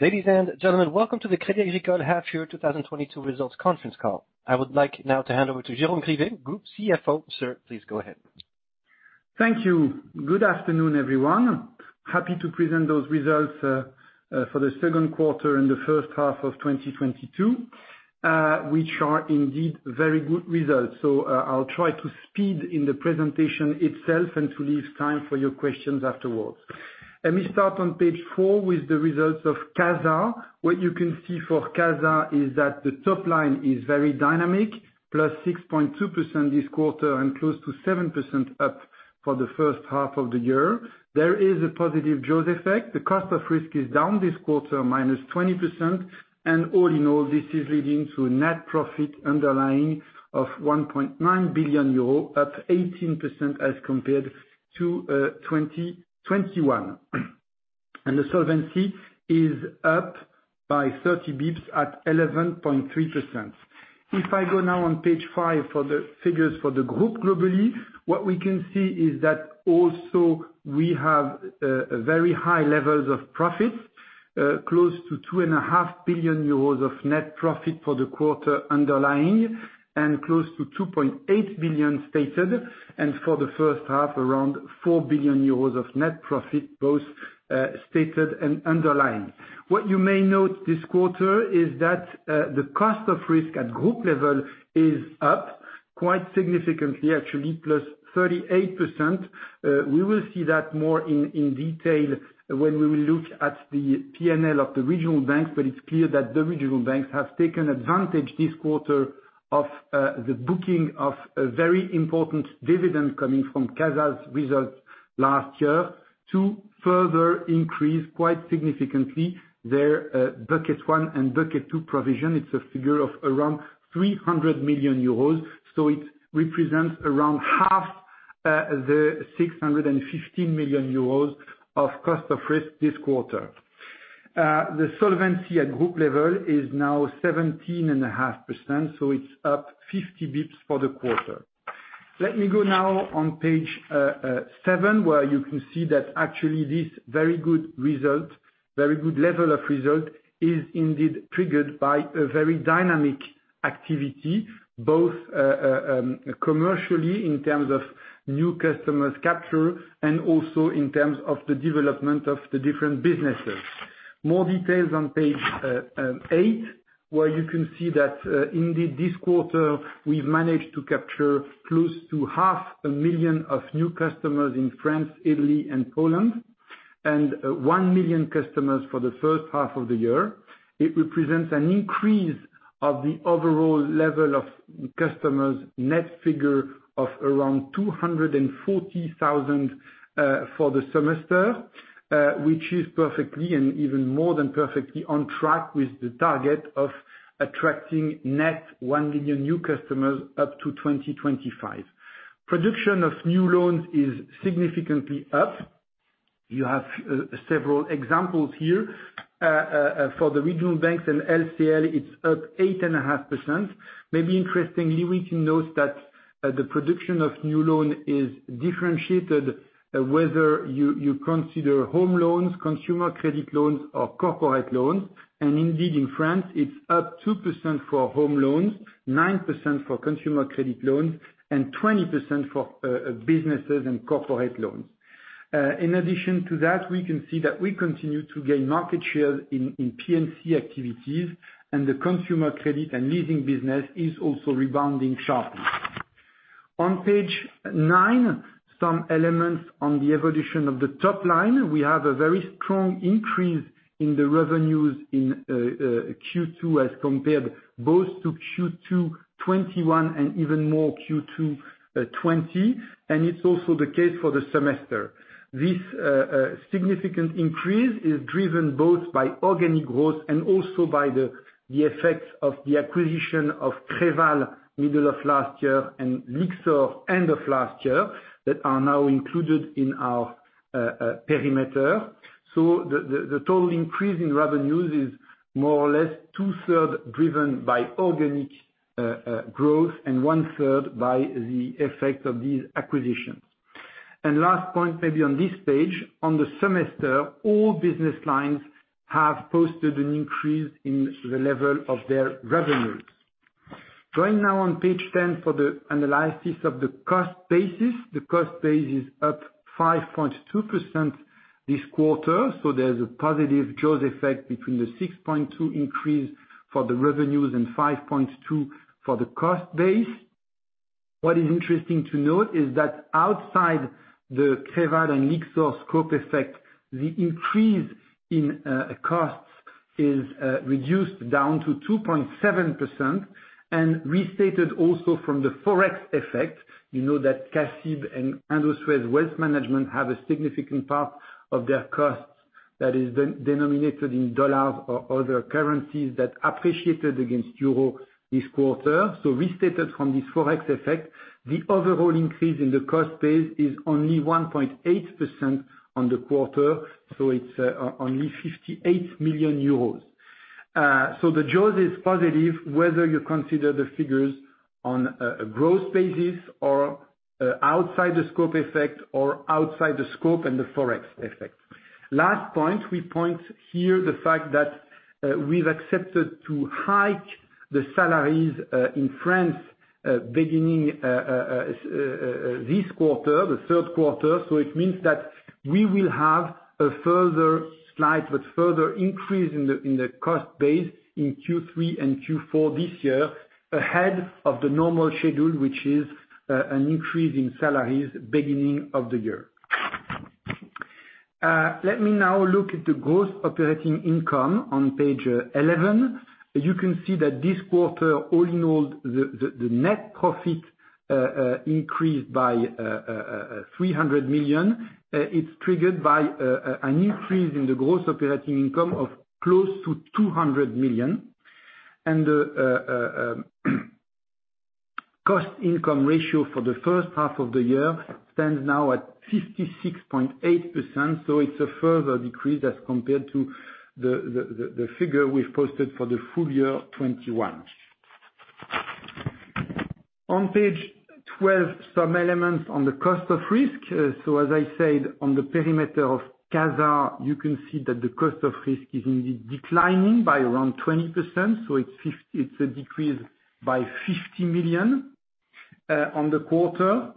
Ladies and gentlemen, welcome to the Crédit Agricole half-year 2022 results conference call. I would like now to hand over to Jérôme Grivet, Group CFO. Sir, please go ahead. Thank you. Good afternoon, everyone. Happy to present those results for the second quarter and the first half of 2022. Which are indeed very good results. I'll try to speed in the presentation itself and to leave time for your questions afterwards. Let me start on page four with the results of CASA. What you can see for CASA is that the top line is very dynamic, +6.2% this quarter and close to 7% up for the first half of the year. There is a positive jaws effect. The cost of risk is down this quarter, -20%. All in all, this is leading to a net profit underlying of 1.9 billion euro, up 18% as compared to 2021. The solvency is up by 30 bps at 11.3%. If I go now on page five for the figures for the group globally, what we can see is that also we have a very high levels of profits close to 2.5 billion euros of net profit for the quarter underlying and close to 2.8 billion stated, and for the first half, around 4 billion euros of net profit, both stated and underlying. What you may note this quarter is that the cost of risk at group level is up quite significantly, actually, +38%. We will see that more in detail when we will look at the P&L of the Regional Banks, but it's clear that the Regional Banks have taken advantage this quarter of the booking of a very important dividend coming from CASA's results last year to further increase, quite significantly, their bucket one and bucket two provision. It's a figure of around 300 million euros, so it represents around half the 650 million euros of cost of risk this quarter. The solvency at group level is now 17.5%, so it's up 50 basis points for the quarter. Let me go now on page 7, where you can see that actually this very good result, very good level of result is indeed triggered by a very dynamic activity, both commercially in terms of new customers capture and also in terms of the development of the different businesses. More details on page 8, where you can see that indeed this quarter, we've managed to capture close to half a million new customers in France, Italy and Poland, and 1 million customers for the first half of the year. It represents an increase of the overall level of customers net figure of around 240,000 for the semester, which is perfectly, and even more than perfectly on track with the target of attracting net 1 million new customers up to 2025. Production of new loans is significantly up. You have several examples here. For the Regional Banks and LCL, it's up 8.5%. Maybe interestingly, we can note that the production of new loans is differentiated whether you consider home loans, consumer credit loans or corporate loans. Indeed, in France, it's up 2% for home loans, 9% for consumer credit loans, and 20% for businesses and corporate loans. In addition to that, we can see that we continue to gain market share in P&C activities and the consumer credit and leasing business is also rebounding sharply. On page nine, some elements on the evolution of the top line. We have a very strong increase in the revenues in Q2 as compared both to Q2 2021 and even more Q2 2020, and it's also the case for the semester. This significant increase is driven both by organic growth and also by the effects of the acquisition of Creval middle of last year and Lyxor end of last year, that are now included in our perimeter. So the total increase in revenues is more or less two-thirds driven by organic growth and one-third by the effect of these acquisitions. Last point maybe on this page, on the semester, all business lines have posted an increase in the level of their revenues. Going now on page 10 for the analysis of the cost basis. The cost base is up 5.2% this quarter, so there's a positive jaws effect between the 6.2% increase for the revenues and 5.2% for the cost base. What is interesting to note is that outside the Creval and Lyxor scope effect, the increase in costs is reduced down to 2.7% and restated also from the Forex effect. You know that CACIB and Indosuez Wealth Management have a significant part of their costs that is denominated in dollars or other currencies that appreciated against euro this quarter. Restated from this Forex effect, the overall increase in the cost base is only 1.8% on the quarter, so it's only 58 million euros. The jaws is positive, whether you consider the figures on a growth basis or outside the scope effect, or outside the scope and the Forex effect. Last point, we point here the fact that we've accepted to hike the salaries in France beginning this quarter, the third quarter. It means that we will have a further slide with further increase in the cost base in Q3 and Q4 this year, ahead of the normal schedule, which is an increase in salaries beginning of the year. Let me now look at the growth operating income on page 11. You can see that this quarter, all in all, the net profit increased by 300 million. It's triggered by an increase in the gross operating income of close to 200 million. Cost income ratio for the first half of the year stands now at 56.8%, so it's a further decrease as compared to the figure we've posted for the full year 2021. On page 12, some elements on the cost of risk. So as I said on the perimeter of CASA, you can see that the cost of risk is indeed declining by around 20%, it's a decrease by 50 million on the quarter.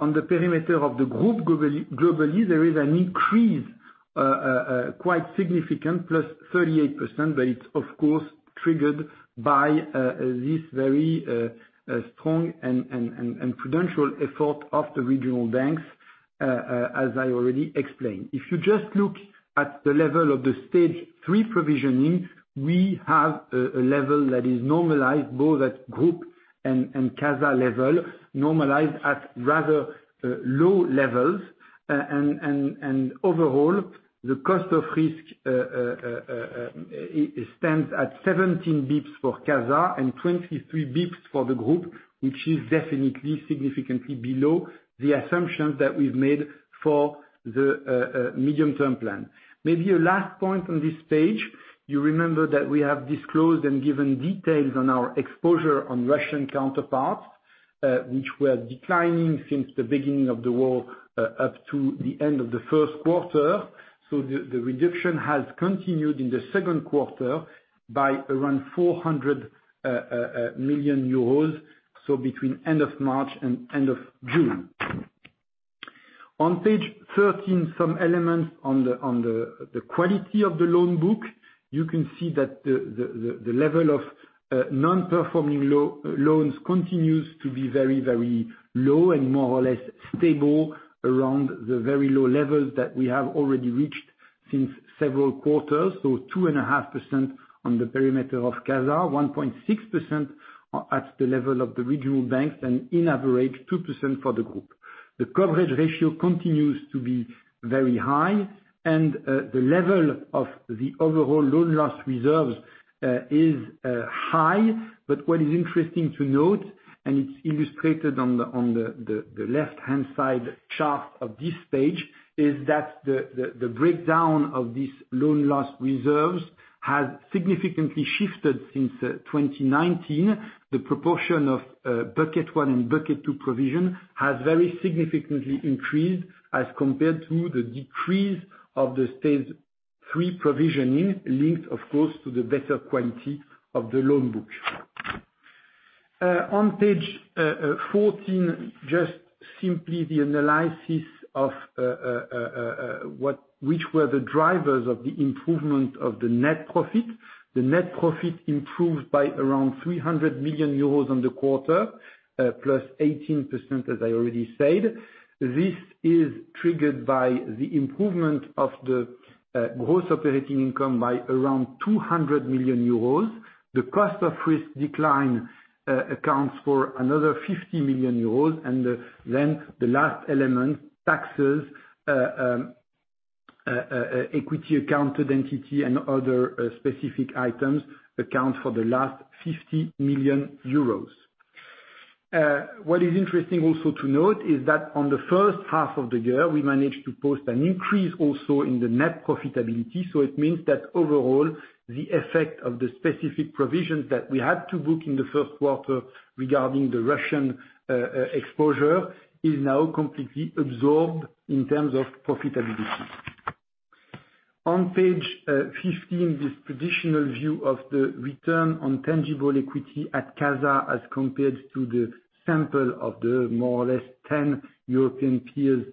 On the perimeter of the group globally, there is an increase quite significant, +38%, but it's of course triggered by this very strong and prudential effort of the Regional Banks, as I already explained. If you just look at the level of the Stage 3 provisioning, we have a level that is normalized both at group and CASA level, normalized at rather low levels. Overall, the cost of risk it stands at 17 bps for CASA and 23 bps for the group, which is definitely significantly below the assumptions that we've made for the medium term plan. Maybe a last point on this page. You remember that we have disclosed and given details on our exposure on Russian counterparts, which were declining since the beginning of the war, up to the end of the first quarter. The reduction has continued in the second quarter by around 400 million euros, so between end of March and end of June. On page 13, some elements on the quality of the loan book. You can see that the level of non-performing loans continues to be very low and more or less stable around the very low levels that we have already reached since several quarters. 2.5% on the perimeter of CASA, 1.6% at the level of the Regional Banks, and on average, 2% for the group. The coverage ratio continues to be very high, and the level of the overall loan loss reserves is high. What is interesting to note, and it's illustrated on the left-hand side chart of this page, is that the breakdown of this loan loss reserves has significantly shifted since 2019. The proportion of bucket one and bucket two provision has very significantly increased as compared to the decrease of the Stage 3 provisioning, linked of course to the better quality of the loan book. On page 14, just simply the analysis of which were the drivers of the improvement of the net profit. The net profit improved by around 300 million euros on the quarter, plus 18% as I already said. This is triggered by the improvement of the gross operating income by around 200 million euros. The cost of risk decline accounts for another 50 million euros. The last element, taxes, equity accounted entity and other specific items account for the last 50 million euros. What is interesting also to note is that on the first half of the year, we managed to post an increase also in the net profitability. It means that overall the effect of the specific provisions that we had to book in the first quarter regarding the Russian exposure is now completely absorbed in terms of profitability. On page 15, this traditional view of the return on tangible equity at CASA as compared to the sample of the more or less 10 European peers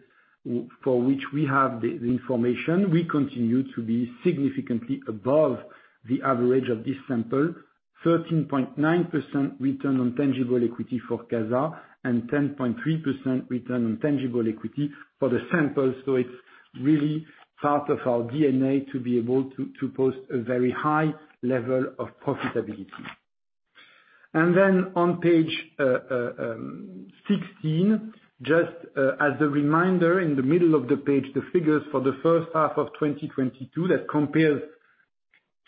for which we have the information, we continue to be significantly above the average of this sample. 13.9% return on tangible equity for CASA, and 10.3% return on tangible equity for the sample. It's really part of our DNA to be able to post a very high level of profitability. Then on page 16, just as a reminder in the middle of the page, the figures for the first half of 2022 that compares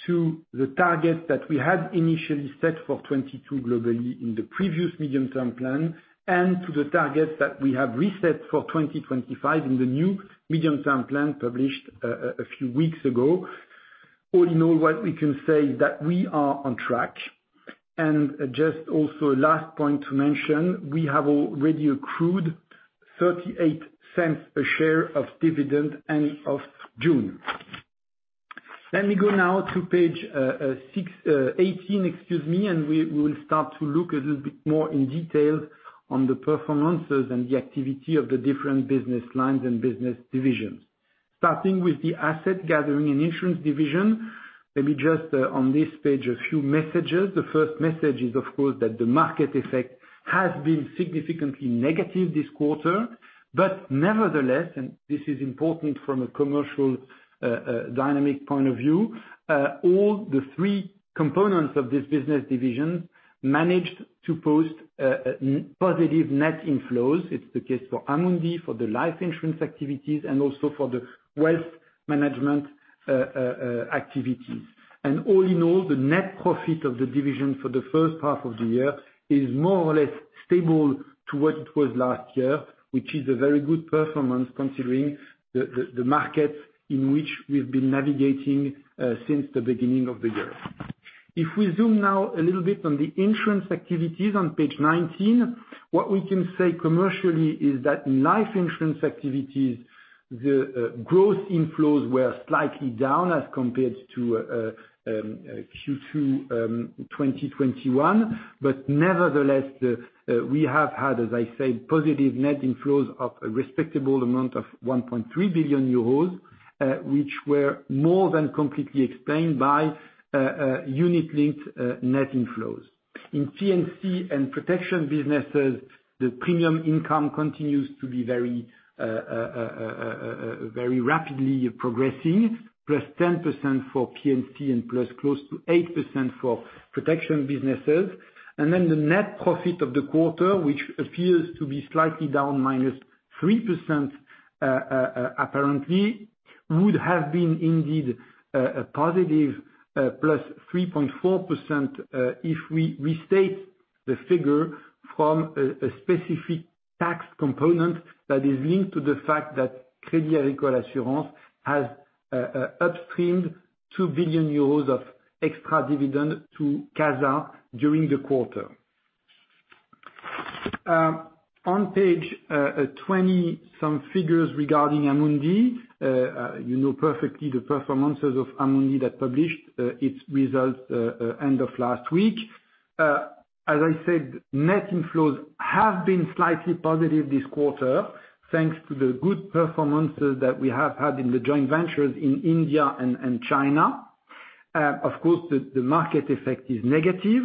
to the target that we had initially set for 2022 globally in the previous medium-term plan, and to the target that we have reset for 2025 in the new medium-term plan published a few weeks ago. All in all, what we can say is that we are on track. Just also last point to mention, we have already accrued 0.38 a share of dividend end of June. Let me go now to page 18, excuse me, and we will start to look a little bit more in detail on the performances and the activity of the different business lines and business divisions. Starting with the Asset Gathering and Insurance division, let me just, on this page, a few messages. The first message is, of course, that the market effect has been significantly negative this quarter. Nevertheless, and this is important from a commercial, dynamic point of view, all the three components of this business division managed to post, positive net inflows. It's the case for Amundi, for the life insurance activities, and also for the wealth management, activities. All in all, the net profit of the division for the first half of the year is more or less stable to what it was last year, which is a very good performance considering the markets in which we've been navigating, since the beginning of the year. If we zoom now a little bit on the Insurance activities on page 19, what we can say commercially is that in life insurance activities, the growth inflows were slightly down as compared to Q2 2021. Nevertheless, we have had, as I said, positive net inflows of a respectable amount of 1.3 billion euros, which were more than completely explained by unit-linked net inflows. In P&C and Protection businesses, the premium income continues to be very rapidly progressing, +10% for P&C and plus close to 8% for Protection businesses. The net profit of the quarter, which appears to be slightly down -3%, apparently, would have been indeed a positive +3.4%, if we restate the figure from a specific tax component that is linked to the fact that Crédit Agricole Assurances has upstreamed 2 billion euros of extra dividend to CASA during the quarter. On page 20, some figures regarding Amundi. You know perfectly the performances of Amundi that published its results end of last week. As I said, net inflows have been slightly positive this quarter, thanks to the good performances that we have had in the joint ventures in India and China. Of course, the market effect is negative.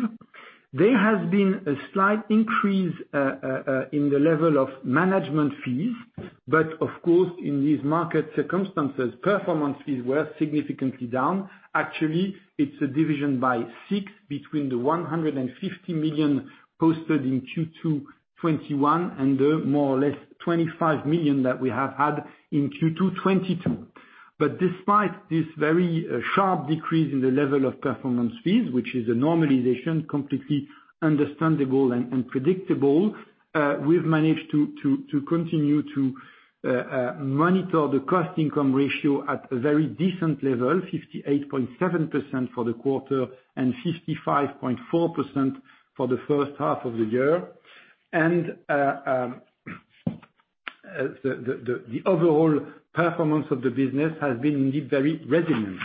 There has been a slight increase in the level of management fees, but of course, in these market circumstances, performance fees were significantly down. Actually, it's a division by six between the 150 million posted in Q2 2021, and the more or less 25 million that we have had in Q2 2022. Despite this very sharp decrease in the level of performance fees, which is a normalization, completely understandable and predictable, we've managed to continue to monitor the cost income ratio at a very decent level, 58.7% for the quarter, and 55.4% for the first half of the year. The overall performance of the business has been, indeed, very resilient.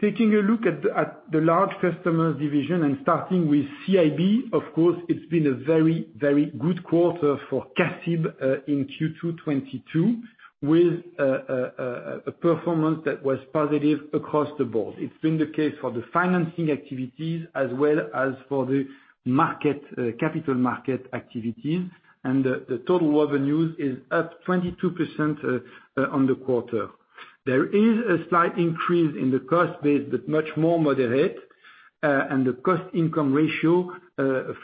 Taking a look at the Large Customers division and starting with CIB, of course, it's been a very, very good quarter for CACIB in Q2 2022, with a performance that was positive across the board. It's been the case for the financing activities as well as for the capital market activities, and the total revenues is up 22% on the quarter. There is a slight increase in the cost base, but much more moderate. And the cost income ratio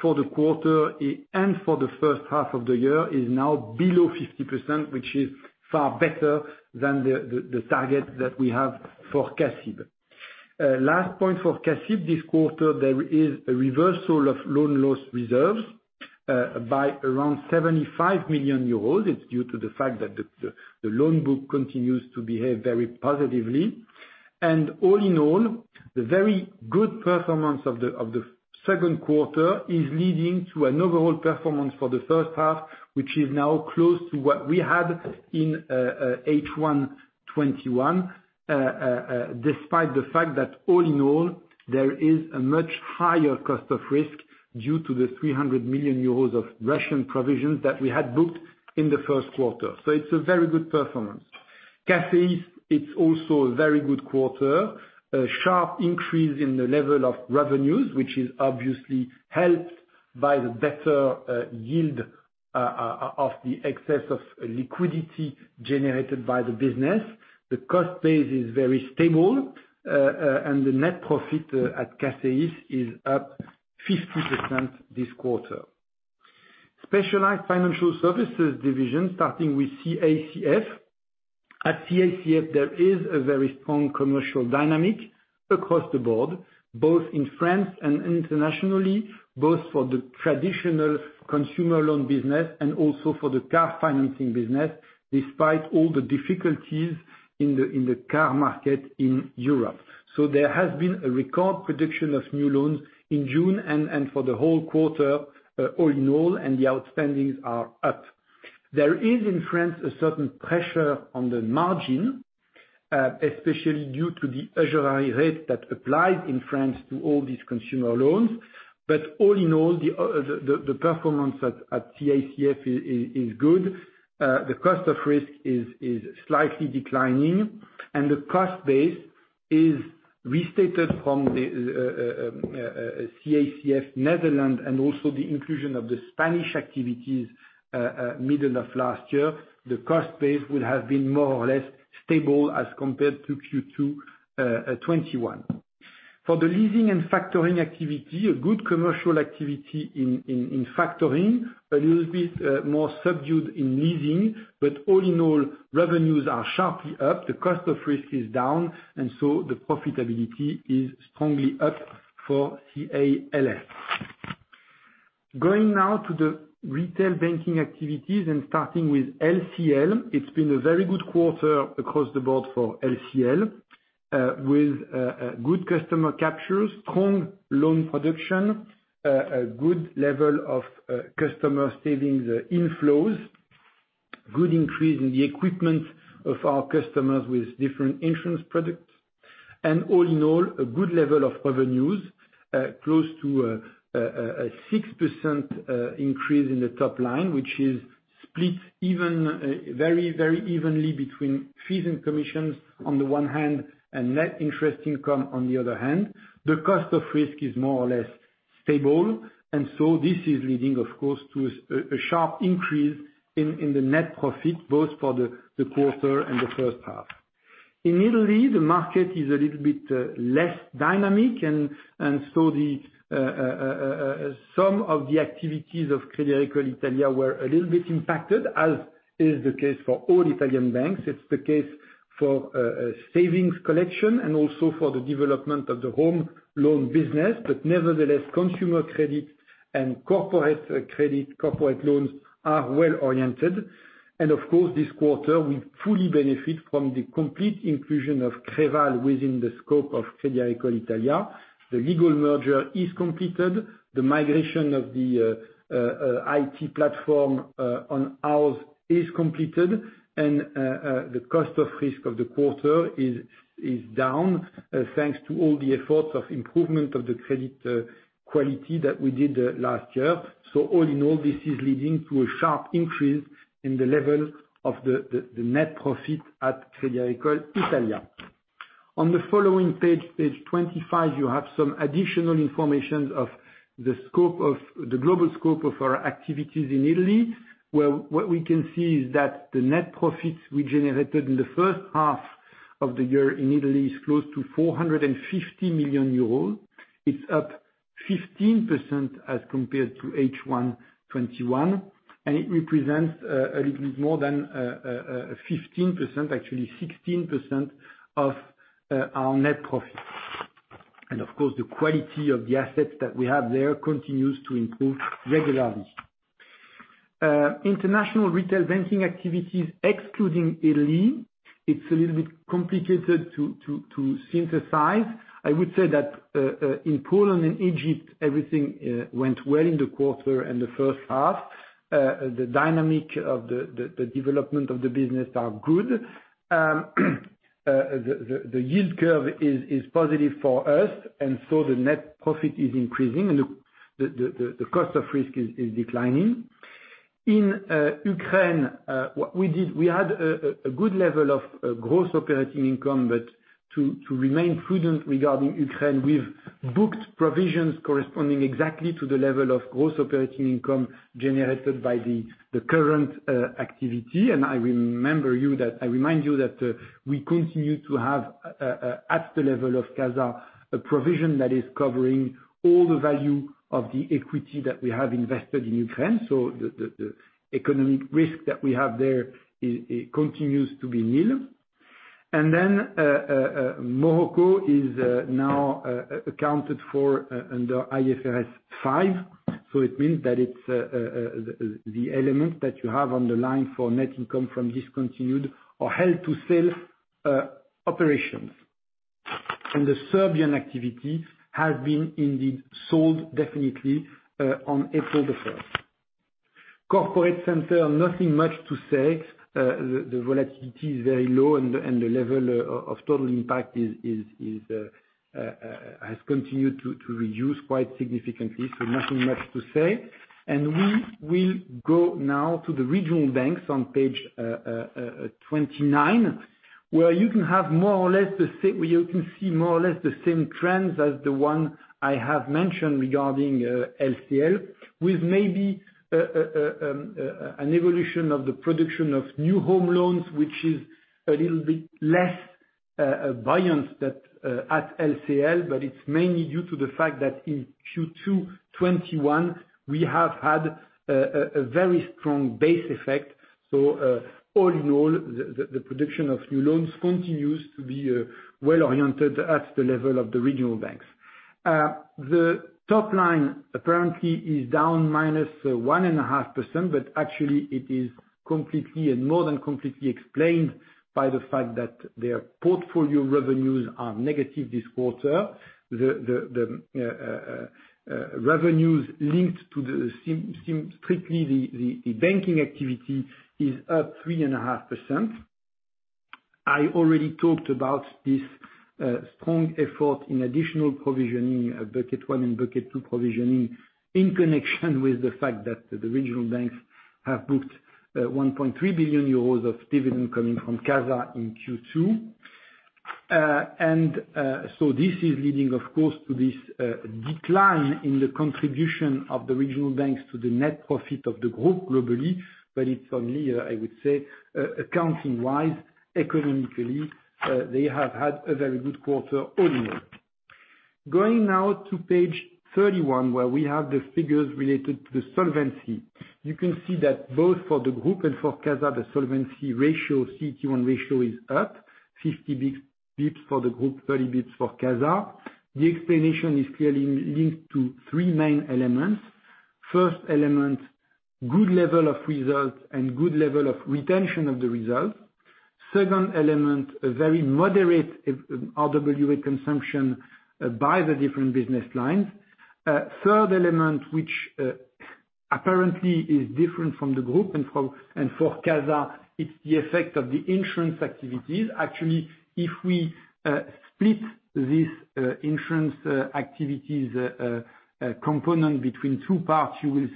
for the quarter and for the first half of the year is now below 50%, which is far better than the target that we have for CACIB. Last point for CACIB, this quarter, there is a reversal of loan loss reserves by around 75 million euros. It's due to the fact that the loan book continues to behave very positively. All in all, the very good performance of the second quarter is leading to an overall performance for the first half, which is now close to what we had in H1 2021. Despite the fact that all in all, there is a much higher cost of risk due to the 300 million euros of Russian provisions that we had booked in the first quarter. It's a very good performance. CACEIS, it's also a very good quarter. A sharp increase in the level of revenues, which is obviously helped by the better yield of the excess of liquidity generated by the business. The cost base is very stable, and the net profit at CACEIS is up 50% this quarter. Specialized Financial Services division, starting with CACF. At CACF, there is a very strong commercial dynamic across the board, both in France and internationally, both for the traditional consumer loan business and also for the car financing business, despite all the difficulties in the car market in Europe. There has been a record production of new loans in June and for the whole quarter, all in all, and the outstandings are up. There is, in France, a certain pressure on the margin, especially due to the usury rate that applies in France to all these consumer loans. All in all, the performance at CACF is good. The cost of risk is slightly declining, and the cost base is restated from the CACF Netherlands, and also the inclusion of the Spanish activities middle of last year. The cost base would have been more or less stable as compared to Q2 2021. For the leasing and factoring activity, a good commercial activity in factoring, a little bit more subdued in leasing. All in all, revenues are sharply up, the cost of risk is down, and so the profitability is strongly up for CALF. Going now to the retail banking activities and starting with LCL, it's been a very good quarter across the board for LCL, with a good customer capture, strong loan production, a good level of customer savings inflows, good increase in the equipment of our customers with different insurance products. All in all, a good level of revenues close to a 6% increase in the top line, which is split very evenly between fees and commissions on the one hand, and net interest income on the other hand. The cost of risk is more or less stable. This is leading, of course, to a sharp increase in the net profit, both for the quarter and the first half. In Italy, the market is a little bit less dynamic, and so some of the activities of Crédit Agricole Italia were a little bit impacted, as is the case for all Italian banks. It's the case for savings collection and also for the development of the home loan business. Nevertheless, consumer credit and corporate credit, corporate loans are well-oriented. Of course, this quarter we fully benefit from the complete inclusion of Creval within the scope of Crédit Agricole Italia. The legal merger is completed, the migration of the IT platform in-house is completed, and the cost of risk of the quarter is down, thanks to all the efforts of improvement of the credit quality that we did last year. All in all, this is leading to a sharp increase in the level of the net profit at Crédit Agricole Italia. On the following page 25, you have some additional information of the global scope of our activities in Italy, where what we can see is that the net profits we generated in the first half of the year in Italy is close to 450 million euros. It's up 15% as compared to H1 2021, and it represents a little bit more than 15%, actually 16% of our net profits. Of course, the quality of the assets that we have there continues to improve regularly. International retail banking activities, excluding Italy, it's a little bit complicated to synthesize. I would say that, in Poland and Egypt, everything went well in the quarter and the first half. The dynamic of the development of the business are good. The yield curve is positive for us, and so the net profit is increasing and the cost of risk is declining. In Ukraine, what we did, we had a good level of gross operating income, but to remain prudent regarding Ukraine, we've booked provisions corresponding exactly to the level of gross operating income generated by the current activity. I remind you that, we continue to have, at the level of CASA, a provision that is covering all the value of the equity that we have invested in Ukraine. The economic risk that we have there continues to be nil. Morocco is now accounted for under IFRS 5. It means that it's the element that you have on the line for net income from discontinued or held-for-sale operations. The Serbian activity has been indeed sold definitely on April the 1st. Corporate center, nothing much to say. The volatility is very low and the level of total impact has continued to reduce quite significantly. Nothing much to say. We will go now to the Regional Banks on page 29, where you can see more or less the same trends as the one I have mentioned regarding LCL, with maybe an evolution of the production of new home loans, which is a little bit less of a variance that at LCL, but it's mainly due to the fact that in Q2 2021, we have had a very strong base effect. All in all, the production of new loans continues to be well-oriented at the level of the Regional Banks. The top line apparently is down -1.5%, but actually it is completely, and more than completely explained by the fact that their portfolio revenues are negative this quarter. The revenues linked to the CIB, strictly the banking activity is up 3.5%. I already talked about this, strong effort in additional provisioning, bucket one and bucket two provisioning, in connection with the fact that the Regional Banks have booked 1.3 billion euros of dividend coming from CASA in Q2. This is leading of course to this decline in the contribution of the Regional Banks to the net profit of the group globally. It's only, I would say, accounting-wise. Economically, they have had a very good quarter all in all. Going now to page 31, where we have the figures related to the solvency. You can see that both for the group and for CASA, the solvency ratio, CET1 ratio is up 50 bps for the group, 30 bps for CASA. The explanation is clearly linked to three main elements. First element, good level of results and good level of retention of the results. Second element, a very moderate RWA consumption by the different business lines. Third element, which apparently is different from the group and for CASA, it's the effect of the insurance activities. Actually, if we split this insurance activities component between two parts, you will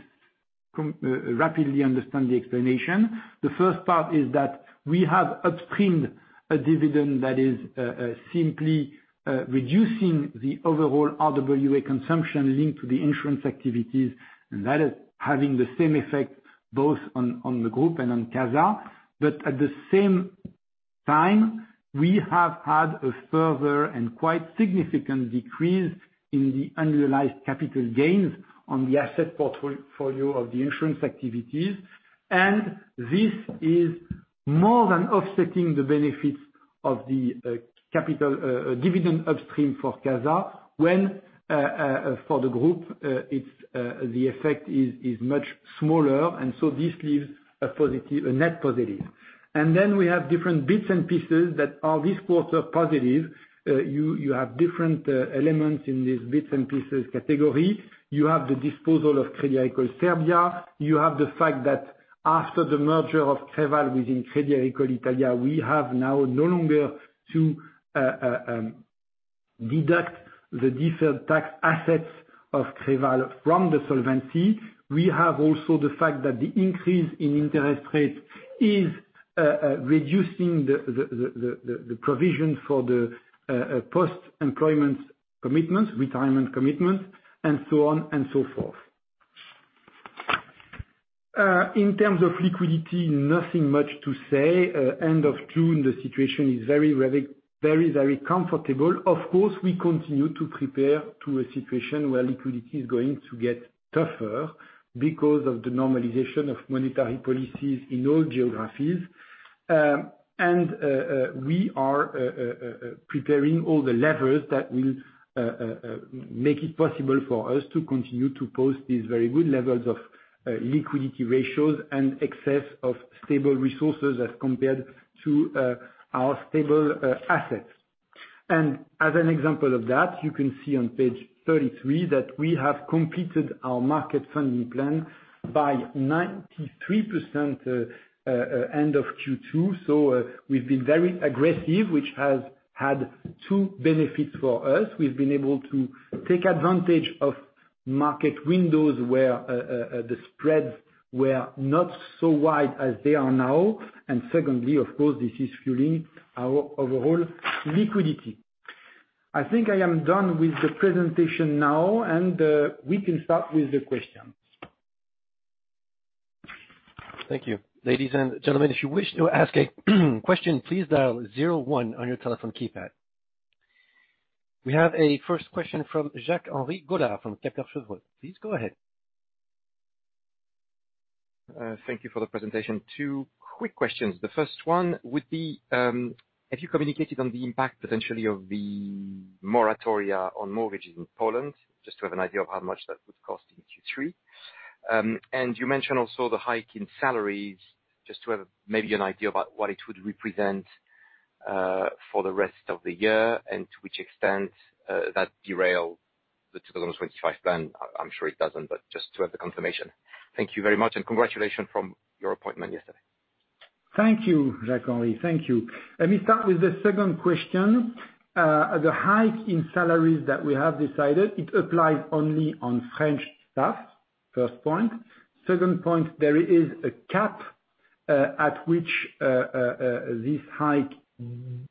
rapidly understand the explanation. The first part is that we have upstreamed a dividend that is simply reducing the overall RWA consumption linked to the insurance activities. That is having the same effect both on the group and on CASA. At the same time, we have had a further and quite significant decrease in the unrealized capital gains on the asset portfolio of the insurance activities. This is more than offsetting the benefits of the capital dividend upstream for CASA, whereas for the group, it's the effect is much smaller. This leaves a net positive. We have different bits and pieces that are this quarter positive. You have different elements in these bits and pieces category. You have the disposal of Crédit Agricole Srbija. You have the fact that after the merger of Creval within Crédit Agricole Italia, we have now no longer to deduct the deferred tax assets of Creval from the solvency. We have also the fact that the increase in interest rates is reducing the provision for the post-employment commitment, retirement commitment, and so on and so forth. In terms of liquidity, nothing much to say. End of June, the situation is very comfortable. Of course, we continue to prepare to a situation where liquidity is going to get tougher because of the normalization of monetary policies in all geographies. We are preparing all the levers that will make it possible for us to continue to post these very good levels of liquidity ratios and excess of stable resources as compared to our stable assets. As an example of that, you can see on page 33 that we have completed our market funding plan by 93% end of Q2. We've been very aggressive, which has had two benefits for us. We've been able to take advantage of market windows where the spreads were not so wide as they are now. Secondly, of course, this is fueling our overall liquidity. I think I am done with the presentation now, and we can start with the questions. Thank you. Ladies and gentlemen, if you wish to ask a question, please dial zero one on your telephone keypad. We have a first question from Jacques-Henri Gaulard from Kepler Cheuvreux. Please go ahead. Thank you for the presentation. Two quick questions. The first one would be, have you communicated on the impact potentially of the moratoria on mortgages in Poland, just to have an idea of how much that would cost in Q3? You mentioned also the hike in salaries, just to have maybe an idea about what it would represent, for the rest of the year and to which extent, that derail the 2025 plan. I'm sure it doesn't, but just to have the confirmation. Thank you very much, and congratulations on your appointment yesterday. Thank you, Jacques-Henri. Thank you. Let me start with the second question. The hike in salaries that we have decided, it applies only on French staff, first point. Second point, there is a cap at which this hike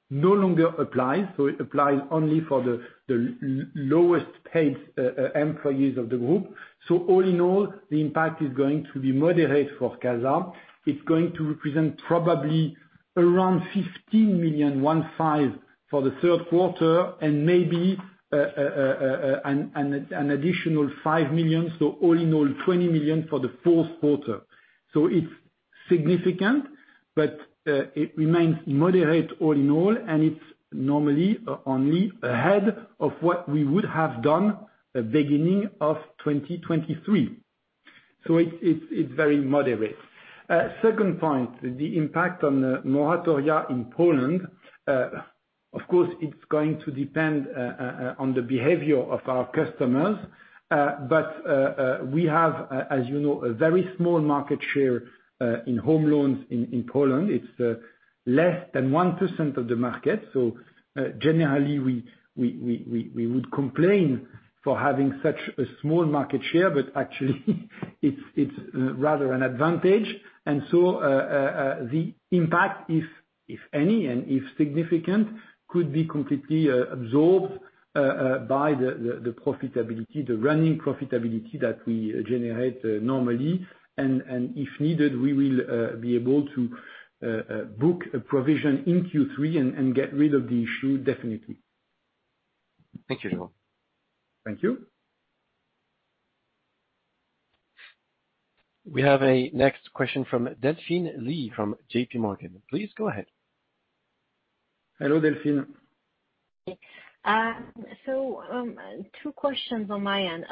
no longer applies, so it applies only for the lowest paid employees of the group. All in all, the impact is going to be moderate for CASA. It's going to represent probably around 15 million for the third quarter and maybe an additional 5 million, so all in all, 20 million for the fourth quarter. It's significant, but it remains moderate all in all, and it's normally only ahead of what we would have done the beginning of 2023. It's very moderate. Second point, the impact on the moratoria in Poland, of course, it's going to depend on the behavior of our customers, but we have, as you know, a very small market share in home loans in Poland. It's less than 1% of the market. The impact, if any, and if significant, could be completely absorbed by the profitability, the running profitability that we generate normally. If needed, we will be able to book a provision in Q3 and get rid of the issue definitely. Thank you, Jérôme. Thank you. We have a next question from Delphine Lee from J.P. Morgan. Please go ahead. Hello, Delphine. Two questions on my end.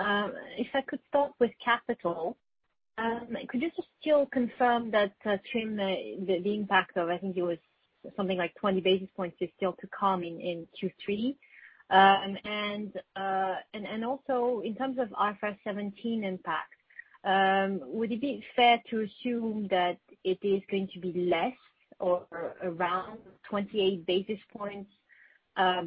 If I could start with capital, could you just still confirm that TRIM, the impact of, I think it was something like 20 basis points is still to come in Q3? Also in terms of IFRS 17 impact, would it be fair to assume that it is going to be less or around 28 basis points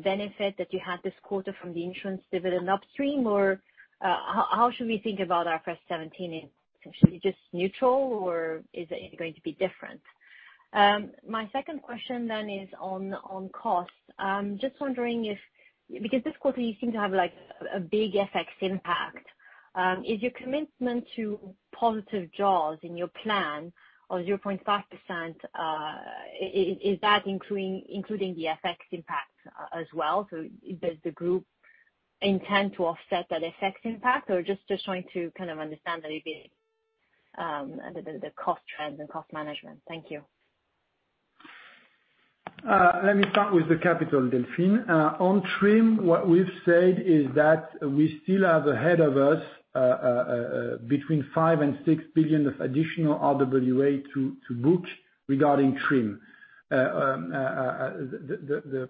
benefit that you have this quarter from the insurance dividend upstream? Or how should we think about IFRS 17 essentially, just neutral, or is it going to be different? My second question is on cost. Just wondering if... Because this quarter you seem to have, like, a big FX impact, is your commitment to positive jaws in your plan of 0.5%, is that including the FX impact as well? Does the group intend to offset that FX impact, or just trying to kind of understand a little bit, the cost trends and cost management. Thank you. Let me start with the capital, Delphine. On TRIM, what we've said is that we still have ahead of us between 5 and 6 billion of additional RWA to book regarding TRIM. The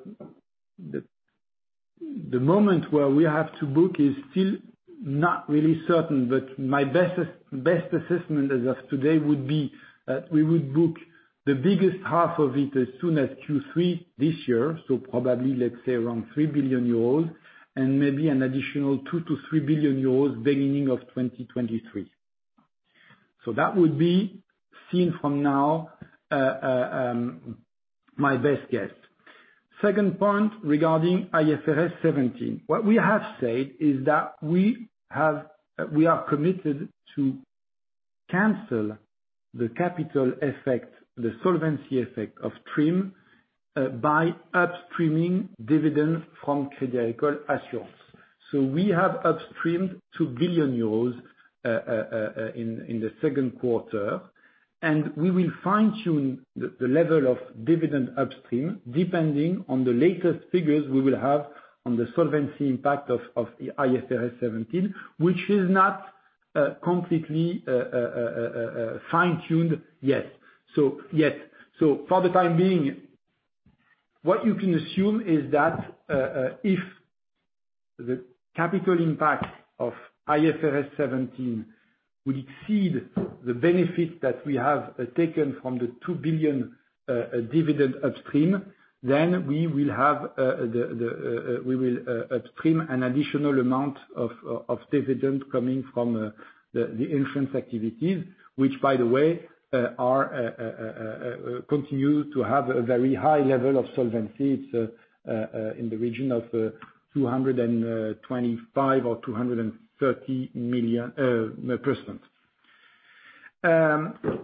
moment where we have to book is still not really certain, but my best assessment as of today would be that we would book the biggest half of it as soon as Q3 this year, so probably, let's say, around 3 billion euros, and maybe an additional 2 billion-3 billion euros beginning of 2023. That would be seen from now, my best guess. Second point regarding IFRS 17. What we have said is that we are committed to cancel the capital effect, the solvency effect of TRIM by upstreaming dividends from Crédit Agricole Assurances. We have upstreamed 2 billion euros in the second quarter, and we will fine-tune the level of dividend upstream depending on the latest figures we will have on the solvency impact of IFRS 17, which is not completely fine-tuned yet. For the time being, what you can assume is that if the capital impact of IFRS 17 would exceed the benefit that we have taken from the 2 billion dividend upstream, then we will upstream an additional amount of dividend coming from the insurance activities, which by the way continue to have a very high level of solvency. It's in the region of 225-230.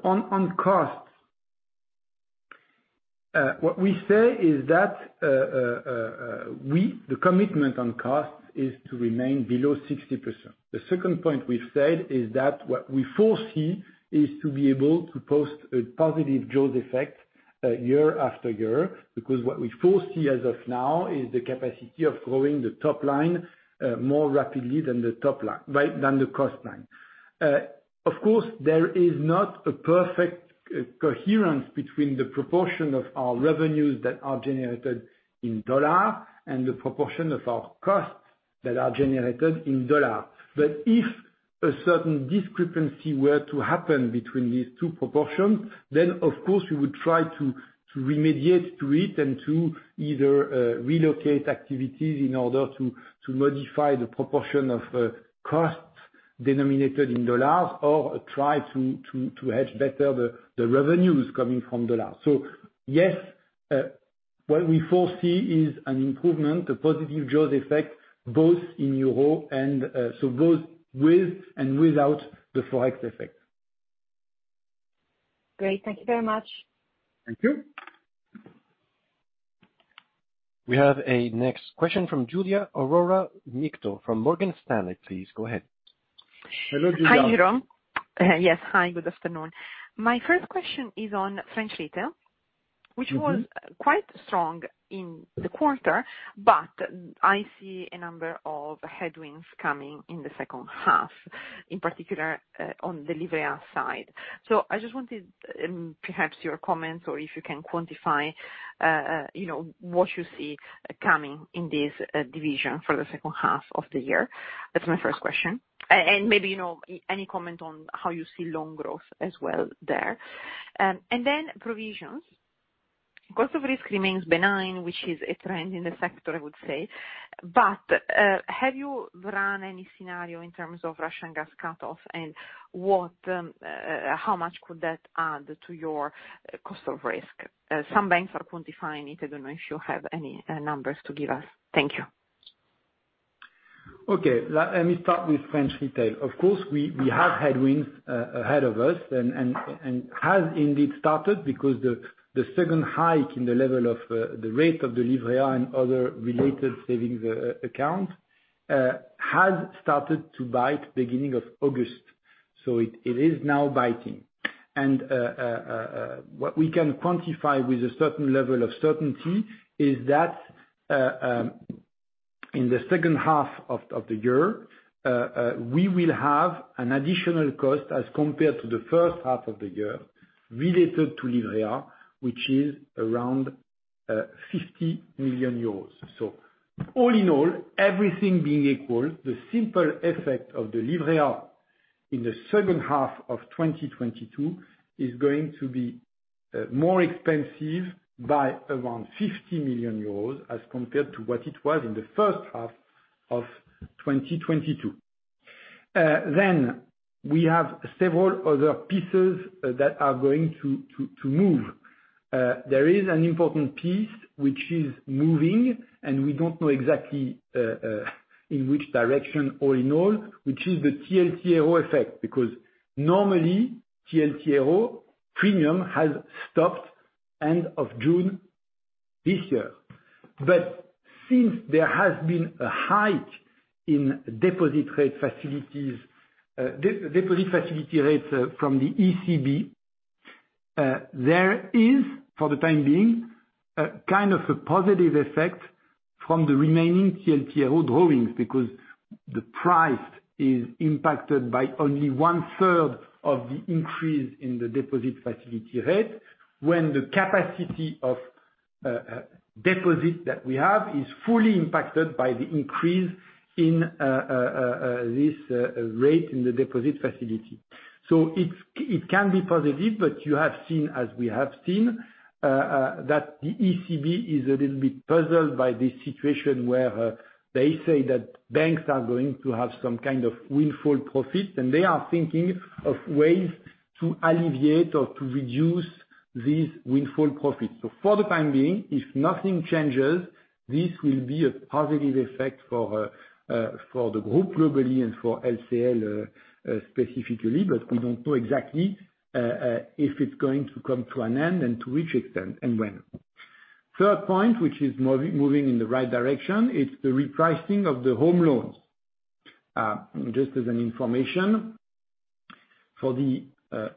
On costs, what we say is that the commitment on costs is to remain below 60%. The second point we've said is that what we foresee is to be able to post a positive jaws effect year after year, because what we foresee as of now is the capacity of growing the top line more rapidly than the cost line. Of course, there is not a perfect coherence between the proportion of our revenues that are generated in dollars and the proportion of our costs that are generated in dollars. If a certain discrepancy were to happen between these two proportions, then of course, we would try to remediate to it and to either relocate activities in order to modify the proportion of costs denominated in dollars or try to hedge better the revenues coming from dollars. Yes, what we foresee is an improvement, a positive jaws effect, both in euro and so both with and without the Forex effect. Great. Thank you very much. Thank you. We have a next question from Giulia Aurora Miotto from Morgan Stanley. Please go ahead. Hello, Giulia. Hi, Jérôme. Yes, hi, good afternoon. My first question is on French Retail- Mm-hmm. Which was quite strong in the quarter, but I see a number of headwinds coming in the second half, in particular, on delivery side. I just wanted perhaps your comments or if you can quantify, you know, what you see coming in this division for the second half of the year. That's my first question. Maybe, you know, any comment on how you see loan growth as well there. Provisions. Cost of risk remains benign, which is a trend in the sector, I would say. Have you run any scenario in terms of Russian gas cut off, and what, how much could that add to your cost of risk? Some banks are quantifying it. I don't know if you have any numbers to give us. Thank you. Okay. Let me start with French Retail. Of course, we have headwinds ahead of us, and has indeed started because the second hike in the level of the rate of the Livret A and other related savings account has started to bite beginning of August. It is now biting. What we can quantify with a certain level of certainty is that in the second half of the year we will have an additional cost as compared to the first half of the year rela ted to Livret A, which is around 50 million euros. All in all, everything being equal, the simple effect of the Livret A in the second half of 2022 is going to be more expensive by around 50 million euros as compared to what it was in the first half of 2022. We have several other pieces that are going to move. There is an important piece which is moving, and we don't know exactly in which direction all in all, which is the TLTRO effect. Because normally, TLTRO premium has stopped end of June this year. Since there has been a hike in deposit facility rates from the ECB, there is, for the time being, a kind of a positive effect from the remaining TLTRO drawings because the price is impacted by only one-third of the increase in the deposit facility rate when the capacity of deposit that we have is fully impacted by the increase in this rate in the deposit facility. It can be positive, but you have seen, as we have seen, that the ECB is a little bit puzzled by this situation where they say that banks are going to have some kind of windfall profits, and they are thinking of ways to alleviate or to reduce these windfall profits. For the time being, if nothing changes, this will be a positive effect for the group globally and for LCL specifically, but we don't know exactly if it's going to come to an end and to which extent and when. Third point, which is moving in the right direction, is the repricing of the home loans. Just as an information, for the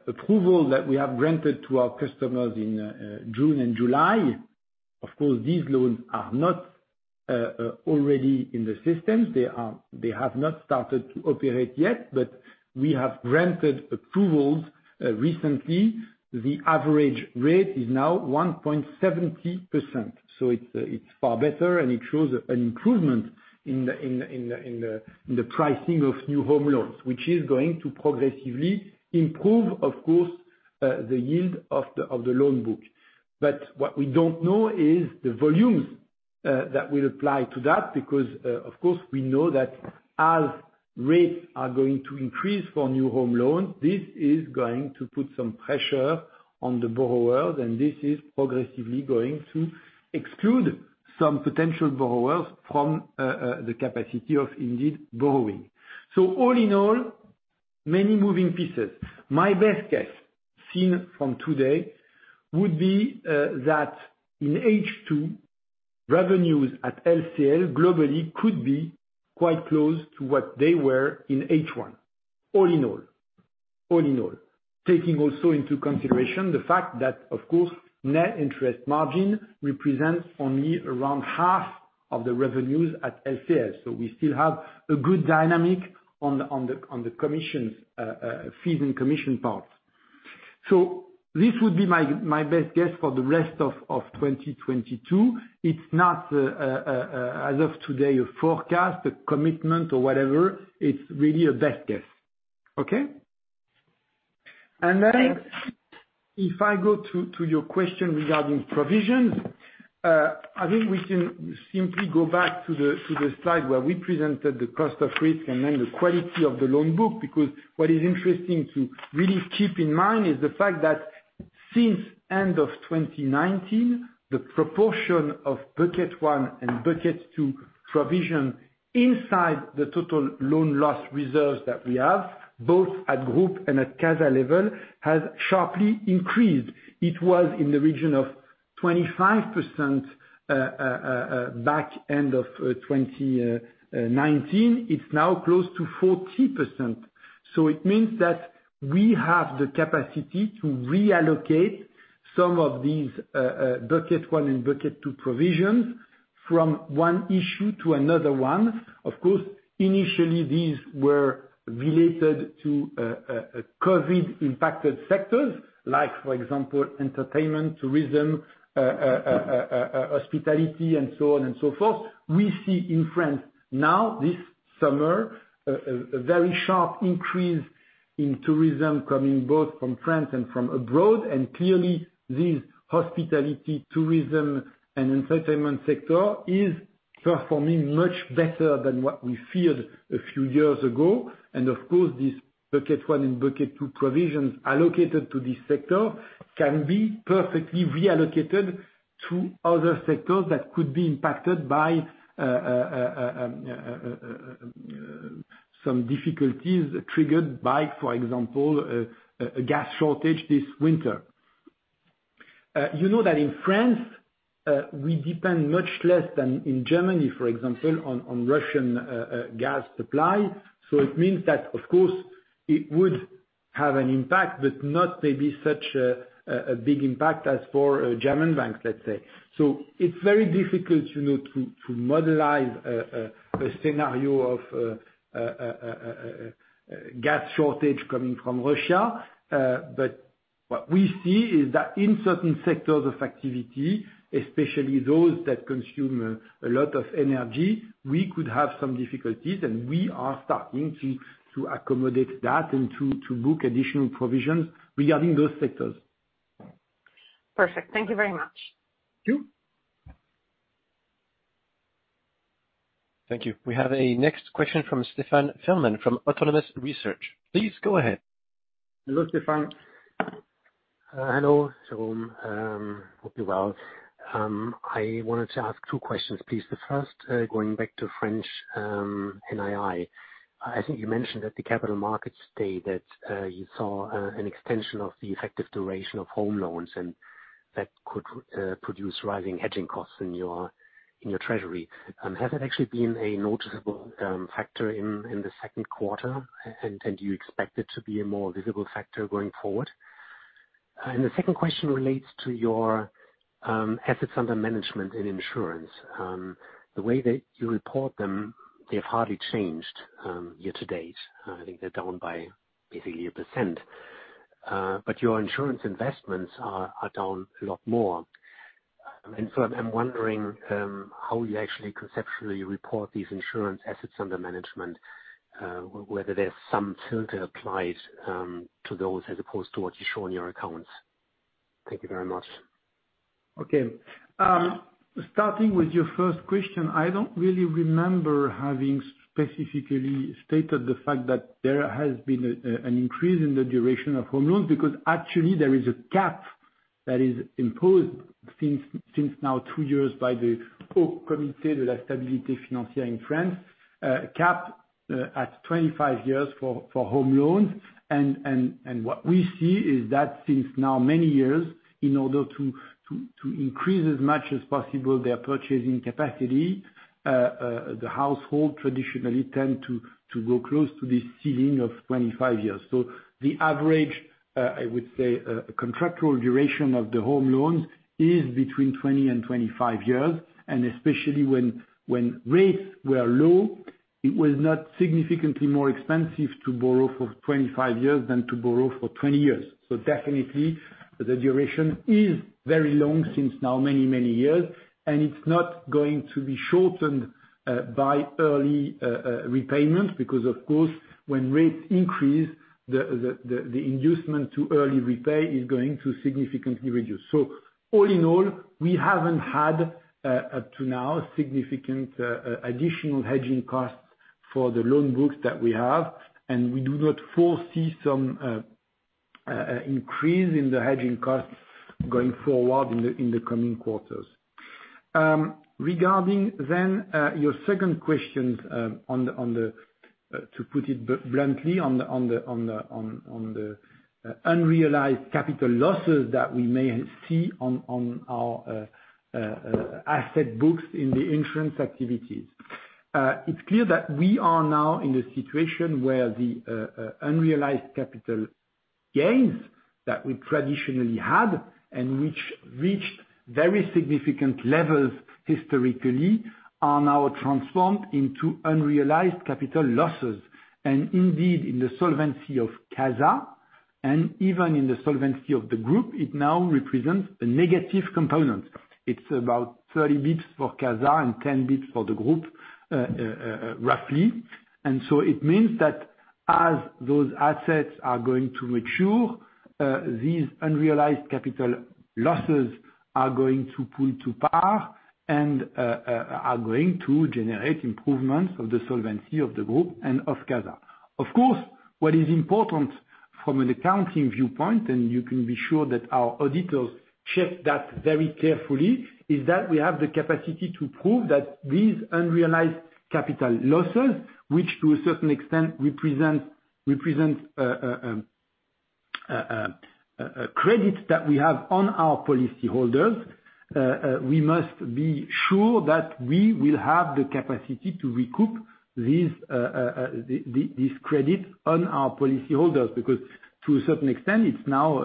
approval that we have granted to our customers in June and July, of course, these loans are not already in the system. They have not started to operate yet, but we have granted approvals recently. The average rate is now 1.70%, so it's far better, and it shows an improvement in the pricing of new home loans, which is going to progressively improve, of course, the yield of the loan book. What we don't know is the volumes that will apply to that, because, of course, we know that as rates are going to increase for new home loans, this is going to put some pressure on the borrowers, and this is progressively going to exclude some potential borrowers from the capacity of indeed borrowing. All in all, many moving pieces. My best guess seen from today would be that in H2, revenues at LCL globally could be quite close to what they were in H1. All in all. Taking also into consideration the fact that of course, net interest margin represents only around half of the revenues at LCL. We still have a good dynamic on the commissions, fees and commission parts. This would be my best guess for the rest of 2022. It's not, as of today, a forecast, a commitment or whatever. It's really a best guess. If I go to your question regarding provisions, I think we can simply go back to the slide where we presented the cost of risk and then the quality of the loan book, because what is interesting to really keep in mind is the fact that since end of 2019, the proportion of bucket one and bucket two provision inside the total loan loss reserves that we have, both at group and at CASA level, has sharply increased. It was in the region of 25%, back end of 2019. It's now close to 40%. It means that we have the capacity to reallocate some of these bucket one and bucket two provisions from one issue to another one. Of course, initially these were related to COVID impacted sectors like for example entertainment, tourism, hospitality and so on and so forth. We see in France now this summer very sharp increase in tourism coming both from France and from abroad, and clearly these hospitality, tourism and entertainment sector is performing much better than what we feared a few years ago. Of course this bucket one and bucket two provisions allocated to this sector can be perfectly reallocated to other sectors that could be impacted by some difficulties triggered by, for example, a gas shortage this winter. You know that in France, we depend much less than in Germany, for example, on Russian gas supply. It means that of course it would have an impact but not maybe such a big impact as for a German bank, let's say. It's very difficult, you know, to modelize a scenario of gas shortage coming from Russia. What we see is that in certain sectors of activity, especially those that consume a lot of energy, we could have some difficulties, and we are starting to accommodate that and to book additional provisions regarding those sectors. Perfect. Thank you very much. Thank you. Thank you. We have a next question from Stefan Stalmann from Autonomous Research. Please go ahead. Hello, Stefan. Hello, Jérôme. Hope you're well. I wanted to ask two questions, please. The first, going back to French NII. I think you mentioned at the capital markets day that you saw an extension of the effective duration of home loans and that could produce rising hedging costs in your treasury. Has that actually been a noticeable factor in the second quarter? And do you expect it to be a more visible factor going forward? The second question relates to your assets under management and insurance. The way that you report them, they've hardly changed year to date. I think they're down by basically 1%. Your insurance investments are down a lot more. I'm wondering how you actually conceptually report these insurance assets under management, whether there's some filter applied to those as opposed to what you show in your accounts. Thank you very much. Okay. Starting with your first question, I don't really remember having specifically stated the fact that there has been an increase in the duration of home loans, because actually there is a cap that is imposed since now 2 years by the Haut Conseil de stabilité financière, capped at 25 years for home loans. What we see is that since now many years, in order to increase as much as possible their purchasing capacity, the household traditionally tend to go close to this ceiling of 25 years. The average, I would say, contractual duration of the home loans is between 20 and 25 years. Especially when rates were low, it was not significantly more expensive to borrow for 25 years than to borrow for 20 years. Definitely the duration is very long since now many years, and it's not going to be shortened by early repayment, because of course, when rates increase, the inducement to early repay is going to significantly reduce. All in all, we haven't had up to now significant additional hedging costs for the loan books that we have, and we do not foresee some increase in the hedging costs going forward in the coming quarters. Regarding then your second question, on the, to put it bluntly, on the unrealized capital losses that we may see on our asset books in the insurance activities. It's clear that we are now in a situation where the unrealized capital gains that we traditionally had and which reached very significant levels historically are now transformed into unrealized capital losses. Indeed, in the solvency of CASA and even in the solvency of the group, it now represents a negative component. It's about 30 basis points for CASA and 10 basis points for the group, roughly. It means that as those assets are going to mature, these unrealized capital losses are going to pull to par and are going to generate improvements of the solvency of the group and of CASA. Of course, what is important from an accounting viewpoint, and you can be sure that our auditors check that very carefully, is that we have the capacity to prove that these unrealized capital losses, which to a certain extent represent credits that we have on our policy holders, we must be sure that we will have the capacity to recoup these, this credit on our policy holders, because to a certain extent, it's now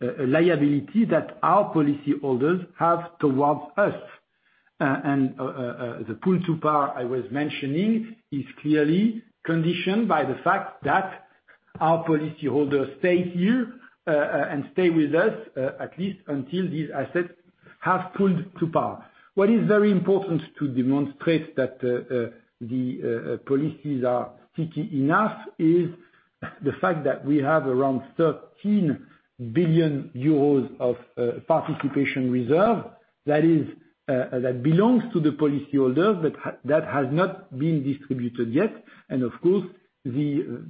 a liability that our policy holders have towards us. The pull to par I was mentioning is clearly conditioned by the fact that our policy holders stay here and stay with us, at least until these assets have pulled to par. What is very important to demonstrate that the policies are sticky enough is the fact that we have around 13 billion euros of participation reserve that belongs to the policyholder, but that has not been distributed yet. Of course, the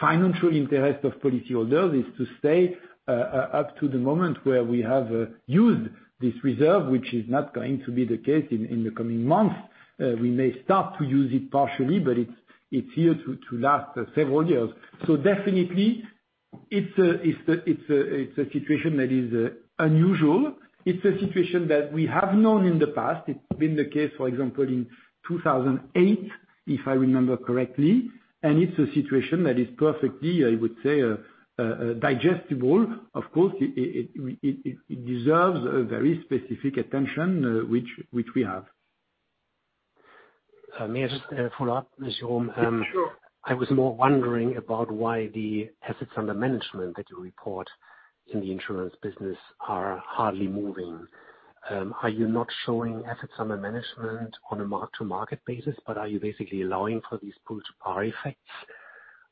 financial interest of policyholder is to stay up to the moment where we have used this reserve, which is not going to be the case in the coming months. We may start to use it partially, but it's here to last several years. Definitely it's a situation that is unusual. It's a situation that we have known in the past. It's been the case, for example, in 2008, if I remember correctly, and it's a situation that is perfectly, I would say, digestible. Of course, it deserves a very specific attention, which we have. May I just follow up, Jérôme? Sure. I was more wondering about why the assets under management that you report in the insurance business are hardly moving. Are you not showing assets under management on a mark to market basis, but are you basically allowing for these pull-to-par effects?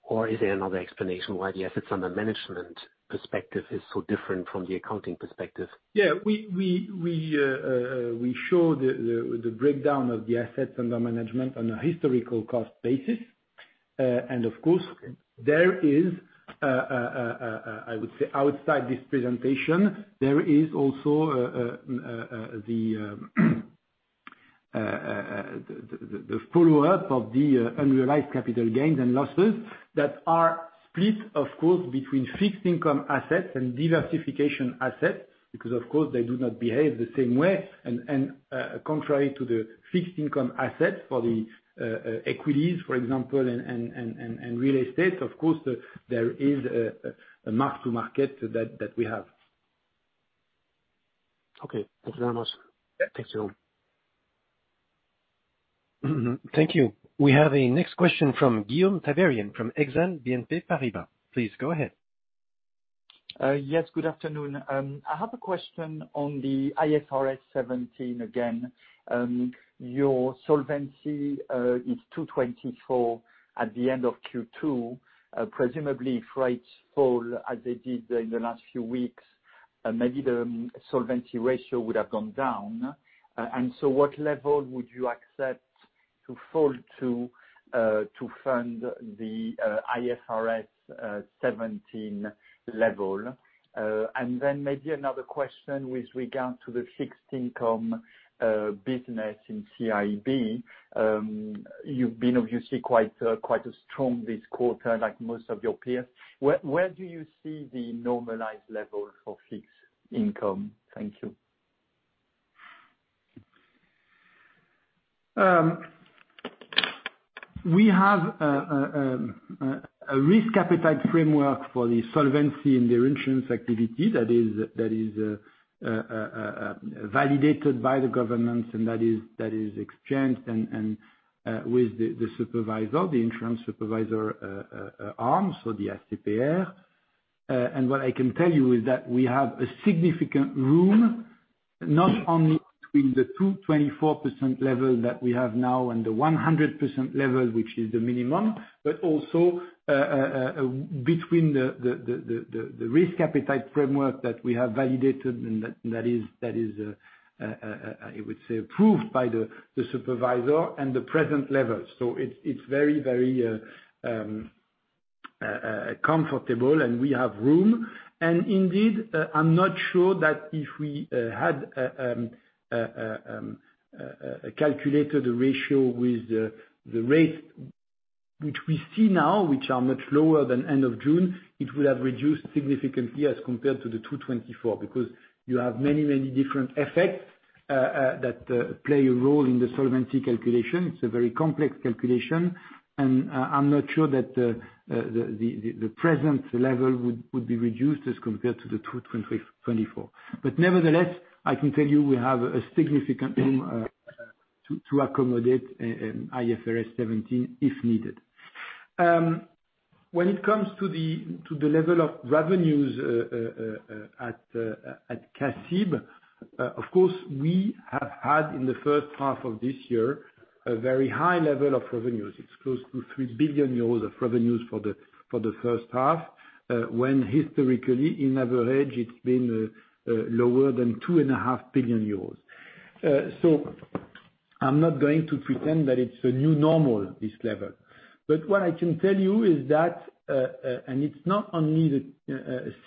Or is there another explanation why the assets under management perspective is so different from the accounting perspective? Yeah, we show the breakdown of the assets under management on a historical cost basis. Of course, there is, I would say outside this presentation, there is also the follow up of the unrealized capital gains and losses that are split, of course, between fixed income assets and diversification assets, because of course they do not behave the same way. Contrary to the fixed income assets for the equities, for example, and real estate, of course, there is a mark to market that we have. Okay. Thank you very much. Thanks, Jérôme. Thank you. We have a next question from Guillaume Tiberghien from Exane BNP Paribas. Please go ahead. Yes, good afternoon. I have a question on the IFRS 17 again. Your solvency is 224% at the end of Q2. Presumably if rates fall as they did in the last few weeks, maybe the solvency ratio would have gone down. What level would you accept to fall to fund the IFRS 17 level? Maybe another question with regard to the fixed income business in CIB. You've been obviously quite strong this quarter like most of your peers. Where do you see the normalized level for fixed income? Thank you. We have a risk appetite framework for the solvency in the insurance activity that is validated by the government and that is exchanged with the supervisor, the insurance supervisor, L'ACPR. What I can tell you is that we have a significant room, not only between the 224% level that we have now and the 100% level, which is the minimum, but also between the risk appetite framework that we have validated and that is, I would say, approved by the supervisor and the present level. It's very comfortable and we have room. Indeed, I'm not sure that if we had a calculated ratio with the rates which we see now, which are much lower than end of June, it would have reduced significantly as compared to the 2024, because you have many, many different effects that play a role in the solvency calculation. It's a very complex calculation, and I'm not sure that the present level would be reduced as compared to the 2024. Nevertheless, I can tell you we have a significant room to accommodate IFRS 17 if needed. When it comes to the level of revenues at CACIB, of course, we have had in the first half of this year a very high level of revenues. It's close to 3 billion euros of revenues for the first half, when historically in average it's been lower than 2.5 billion euros. I'm not going to pretend that it's a new normal, this level. What I can tell you is that, and it's not only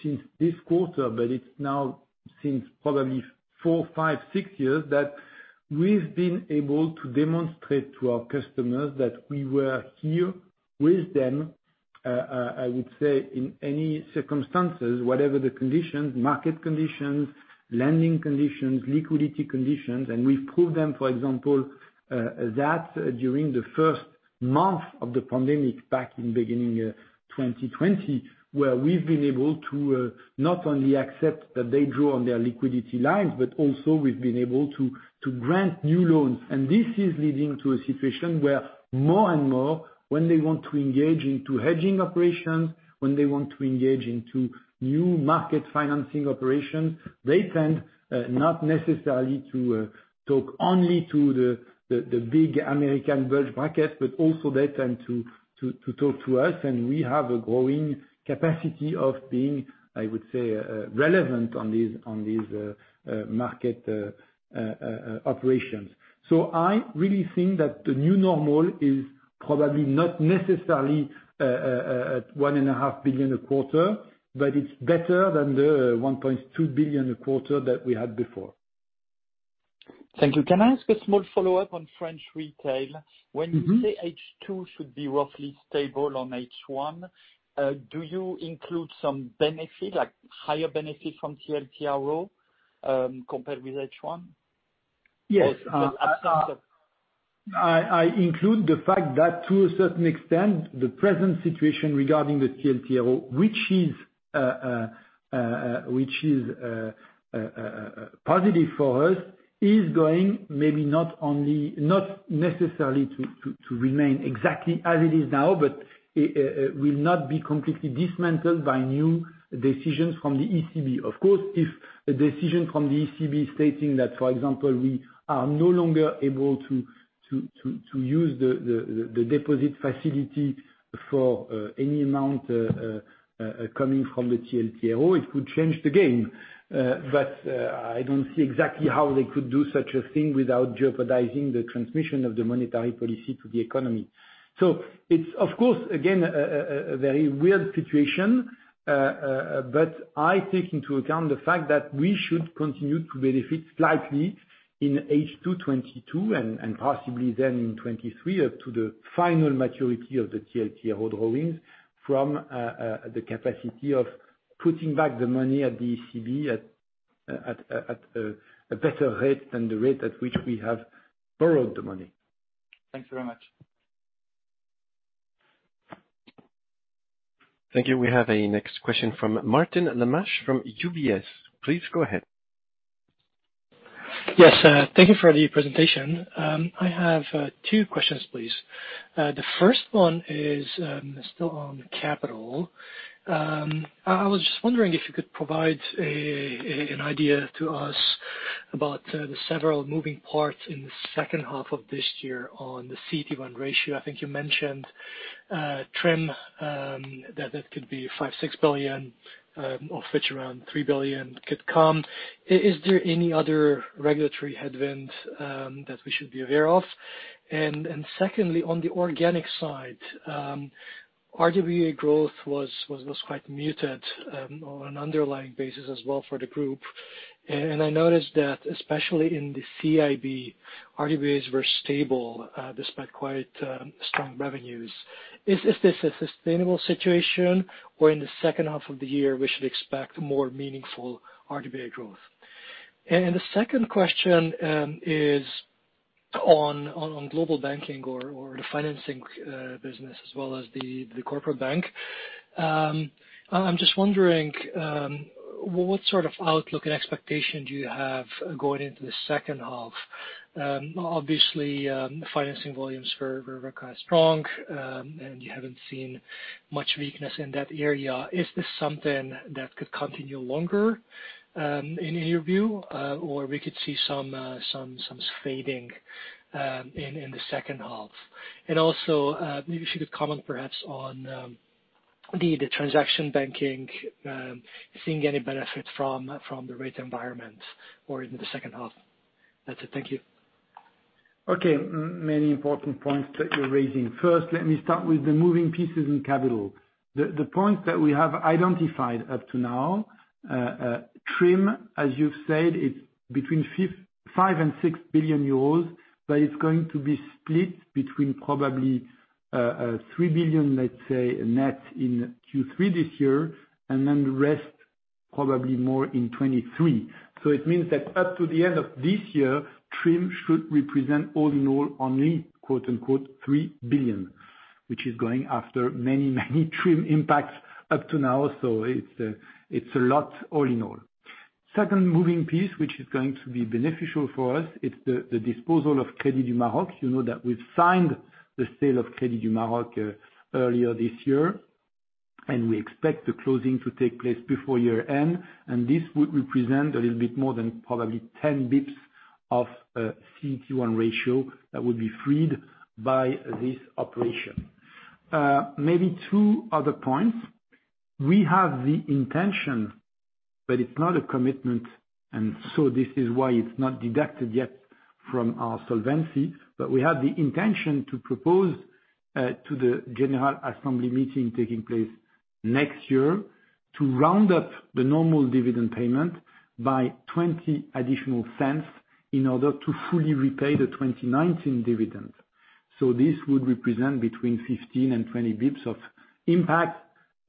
since this quarter, but it's now since probably four, five, six years, that we've been able to demonstrate to our customers that we were here with them, I would say, in any circumstances, whatever the conditions, market conditions, lending conditions, liquidity conditions. We've proved them, for example, that during the first month of the pandemic, back in beginning of 2020, where we've been able to not only accept that they draw on their liquidity lines, but also we've been able to to grant new loans. This is leading to a situation where more and more, when they want to engage in hedging operations, when they want to engage in new market financing operations, they tend not necessarily to talk only to the big American bulge brackets, but also they tend to talk to us. We have a growing capacity of being, I would say, relevant on these market operations. I really think that the new normal is probably not necessarily at 1.5 billion a quarter, but it's better than the 1.2 billion a quarter that we had before. Thank you. Can I ask a small follow-up on French Retail? Mm-hmm. When you say H2 should be roughly stable on H1, do you include some benefit, like higher benefit from TLTRO, compared with H1? Yes. Absent that. I include the fact that to a certain extent, the present situation regarding the TLTRO, which is positive for us, is going maybe not only, not necessarily to remain exactly as it is now, but will not be completely dismantled by new decisions from the ECB. Of course, if a decision from the ECB stating that, for example, we are no longer able to use the deposit facility for any amount coming from the TLTRO, it could change the game. I don't see exactly how they could do such a thing without jeopardizing the transmission of the monetary policy to the economy. It's of course, again, a very weird situation. I take into account the fact that we should continue to benefit slightly in H2 2022, and possibly then in 2023 up to the final maturity of the TLTRO drawings from the capacity of putting back the money at the ECB at a better rate than the rate at which we have borrowed the money. Thanks very much. Thank you. We have a next question from Martin [Leitgeb] from UBS. Please go ahead. Yes, thank you for the presentation. I have two questions, please. The first one is still on capital. I was just wondering if you could provide an idea to us about the several moving parts in the second half of this year on the CET1 ratio. I think you mentioned TRIM that it could be 5-6 billion, of which around 3 billion could come. Is there any other regulatory headwind that we should be aware of? Secondly, on the organic side, RWA growth was quite muted on an underlying basis as well for the group. I noticed that especially in the CIB, RWAs were stable despite quite strong revenues. Is this a sustainable situation where in the second half of the year we should expect more meaningful RWA growth? The second question is on global banking or the financing business as well as the corporate bank. I'm just wondering what sort of outlook and expectation do you have going into the second half? Obviously, financing volumes were quite strong and you haven't seen much weakness in that area. Is this something that could continue longer in your view? Or we could see some fading in the second half? Also, maybe if you could comment perhaps on the transaction banking seeing any benefits from the rate environment or in the second half. That's it. Thank you. Many important points that you're raising. First, let me start with the moving pieces in capital. The points that we have identified up to now, TRIM, as you've said, it's between 5 billion and 6 billion euros, but it's going to be split between probably three billion, let's say, net in Q3 this year, and then the rest probably more in 2023. It means that up to the end of this year, TRIM should represent all in all, only quote unquote, 3 billion, which is going after many TRIM impacts up to now. It's a lot all in all. Second moving piece, which is going to be beneficial for us, it's the disposal of Crédit du Maroc. You know that we've signed the sale of Crédit du Maroc earlier this year, and we expect the closing to take place before year end, and this would represent a little bit more than probably 10 bps of CET1 ratio that would be freed by this operation. Maybe two other points. We have the intention, but it's not a commitment, and so this is why it's not deducted yet from our solvency, but we have the intention to propose to the general assembly meeting taking place next year to round up the normal dividend payment by 0.20 in order to fully repay the 2019 dividend. This would represent between 15-20 bps of impact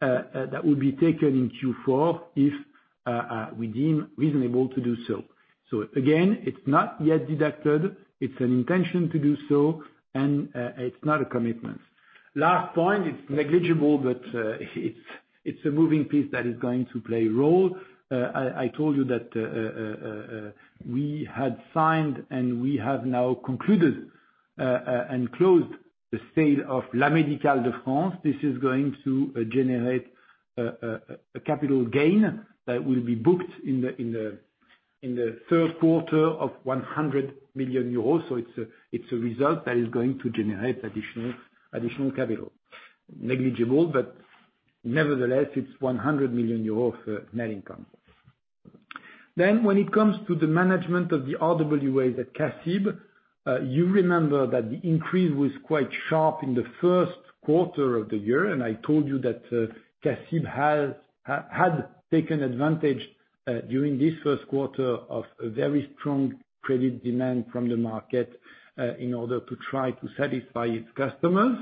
that would be taken in Q4 if we deem reasonable to do so. Again, it's not yet deducted. It's an intention to do so, and it's not a commitment. Last point, it's negligible, but it's a moving piece that is going to play a role. I told you that we had signed and we have now concluded and closed the sale of La Médicale de France. This is going to generate a capital gain that will be booked in the third quarter of 100 million euros. It's a result that is going to generate additional capital. Negligible, but nevertheless, it's 100 million euros for net income. When it comes to the management of the RWA at CACIB, you remember that the increase was quite sharp in the first quarter of the year. I told you that CACIB has taken advantage during this first quarter of a very strong credit demand from the market in order to try to satisfy its customers.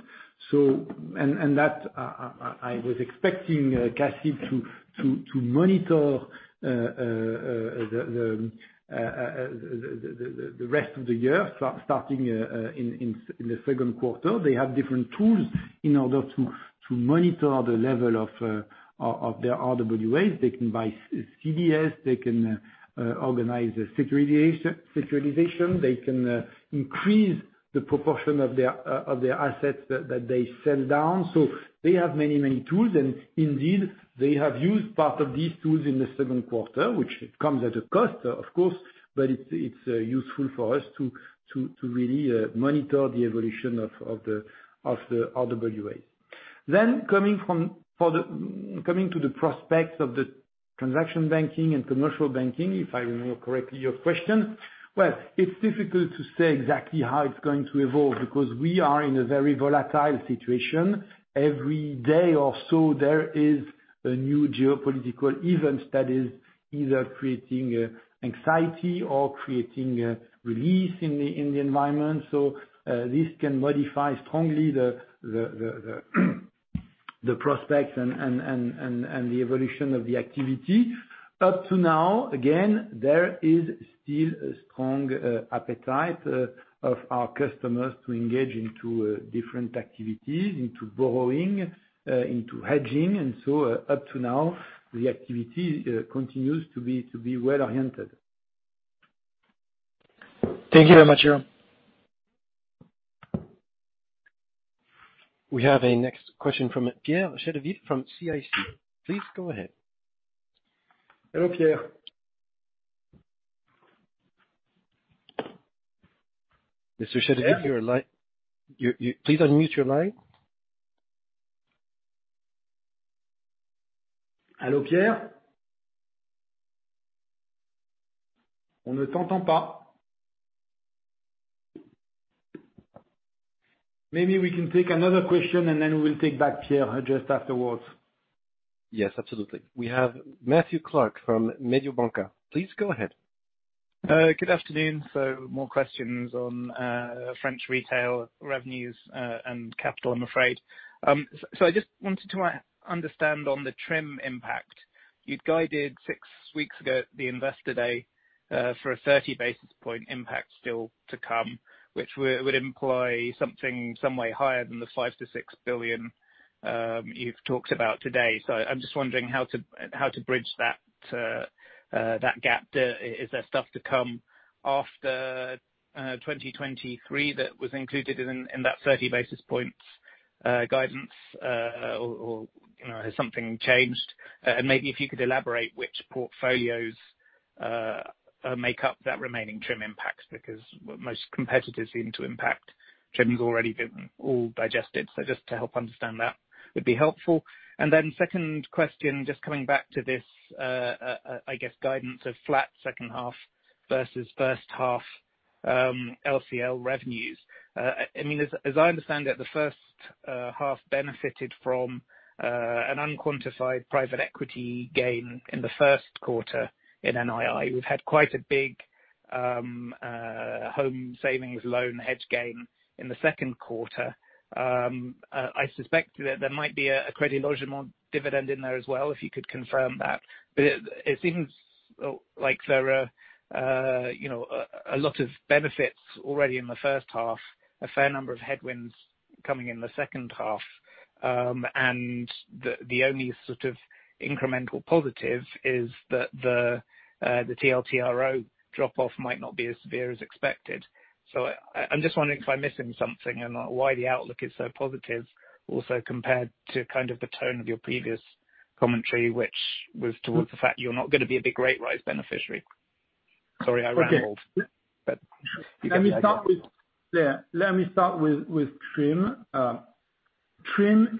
I was expecting CACIB to monitor the rest of the year starting in the second quarter. They have different tools in order to monitor the level of their RWAs. They can buy CDS, they can organize a securitization, they can increase the proportion of their assets that they sell down. They have many, many tools, and indeed, they have used part of these tools in the second quarter, which it comes at a cost, of course, but it's useful for us to really monitor the evolution of the RWA. Coming to the prospects of the transaction banking and commercial banking, if I remember correctly your question. Well, it's difficult to say exactly how it's going to evolve, because we are in a very volatile situation. Every day or so, there is a new geopolitical event that is either creating anxiety or creating a release in the environment. This can modify strongly the prospects and the evolution of the activity. Up to now, again, there is still a strong appetite of our customers to engage into different activities, into borrowing, into hedging. Up to now, the activity continues to be well-oriented. Thank you very much, Jérôme. We have a next question from Pierre Chédeville from CIC. Please go ahead. Hello, Pierre. Mr. Chédeville, your line- Pierre? You please unmute your line. Hello, Pierre. Maybe we can take another question, and then we'll take back Pierre just afterwards. Yes, absolutely. We have Matthew Clark from Mediobanca. Please go ahead. Good afternoon. More questions on French Retail revenues and capital, I'm afraid. I just wanted to understand on the TRIM impact. You'd guided six weeks ago at the investor day for a 30 basis points impact still to come, which would imply something some way higher than the 5 billion-6 billion you've talked about today. I'm just wondering how to bridge that gap. Is there stuff to come after 2023 that was included in that 30 basis points guidance? Or, you know, has something changed? Maybe if you could elaborate which portfolios make up that remaining TRIM impacts, because most competitors seem to have already digested their TRIM impacts. Just to help understand that would be helpful. Second question, just coming back to this, I guess, guidance of flat second half versus first half, LCL revenues. I mean, as I understand it, the first half benefited from an unquantified private equity gain in the first quarter in NII. We've had quite a big home savings loan hedge gain in the second quarter. I suspect that there might be a Crédit Logement dividend in there as well, if you could confirm that. It seems like there are, you know, a lot of benefits already in the first half, a fair number of headwinds coming in the second half, and the only sort of incremental positive is that the TLTRO drop-off might not be as severe as expected. I'm just wondering if I'm missing something and why the outlook is so positive, also compared to kind of the tone of your previous commentary, which was towards the fact you're not gonna be a big rate rise beneficiary. Sorry, I rambled. Okay. Let me start with TRIM. TRIM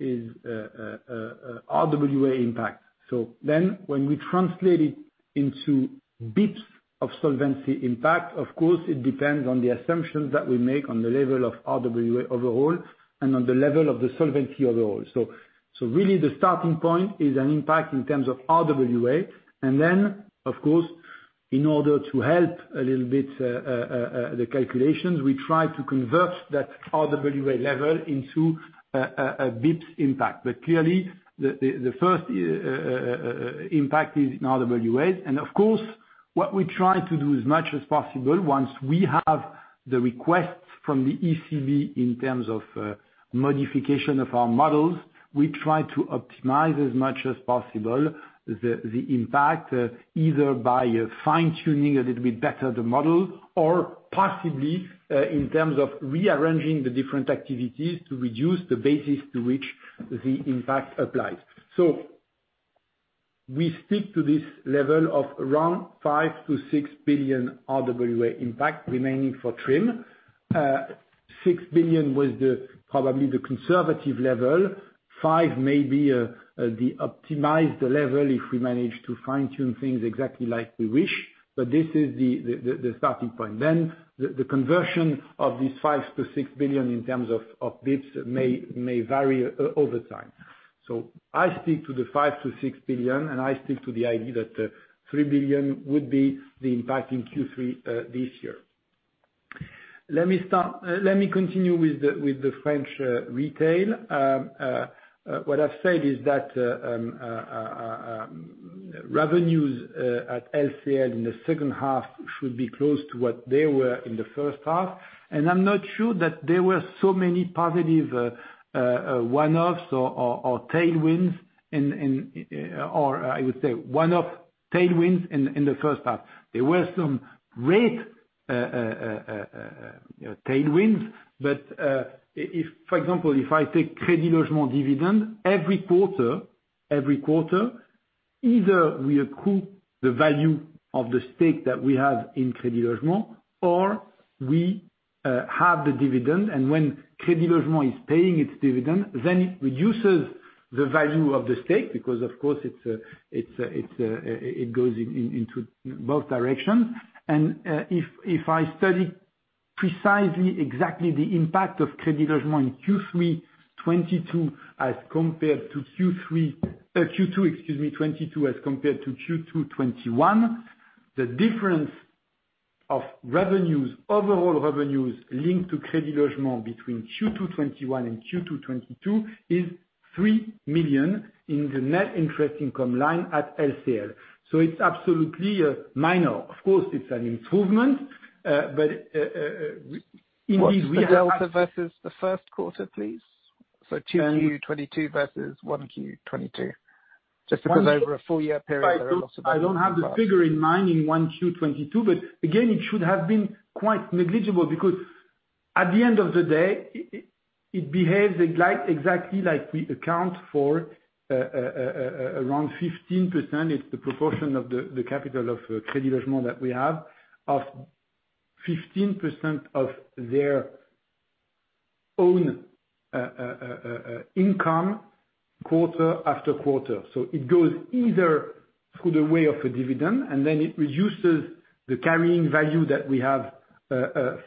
is a RWA impact. When we translate it into BPS of solvency impact, of course it depends on the assumptions that we make on the level of RWA overall, and on the level of the solvency overall. Really the starting point is an impact in terms of RWA. Of course, in order to help a little bit the calculations, we try to convert that RWA level into a bps impact. Clearly, the first impact is in RWA. Of course, what we try to do as much as possible once we have the requests from the ECB in terms of modification of our models, we try to optimize as much as possible the impact, either by fine-tuning a little bit better the model, or possibly in terms of rearranging the different activities to reduce the basis to which the impact applies. We stick to this level of around 5-6 billion RWA impact remaining for TRIM. 6 billion was probably the conservative level. Five may be the optimized level, if we manage to fine-tune things exactly like we wish. This is the starting point. The conversion of these 5-6 billion in terms of bps may vary over time. I speak to the 5-6 billion, and I speak to the idea that 3 billion would be the impact in Q3 this year. Let me continue with the French Retail. What I've said is that revenues at LCL in the second half should be close to what they were in the first half. I'm not sure that there were so many positive one-offs or tailwinds in the first half. Or I would say one-off tailwinds in the first half. There were some rate tailwinds, but if, for example, if I take Crédit Logement dividend, every quarter either we accrue the value of the stake that we have in Crédit Logement, or we have the dividend. When Crédit Logement is paying its dividend, then it reduces the value of the stake, because of course it's. It goes into both directions. If I study precisely exactly the impact of Crédit Logement in Q2 2022, as compared to Q2 2021, the difference of revenues, overall revenues linked to Crédit Logement between Q2 2021 and Q2 2022 is 3 million in the net interest income line at LCL. It's absolutely minor. Of course, it's an improvement. Indeed we have- What's the delta versus the first quarter, please? 2Q 2022 versus 1Q 2022. Just because over a full year period there are lots of. I don't have the figure in mind in 1Q 2022, but again, it should have been quite negligible, because at the end of the day, it behaves exactly like we account for around 15%. It's the proportion of the capital of Crédit Logement that we have. Of 15% of their own income quarter after quarter. It goes either through the way of a dividend, and then it reduces the carrying value that we have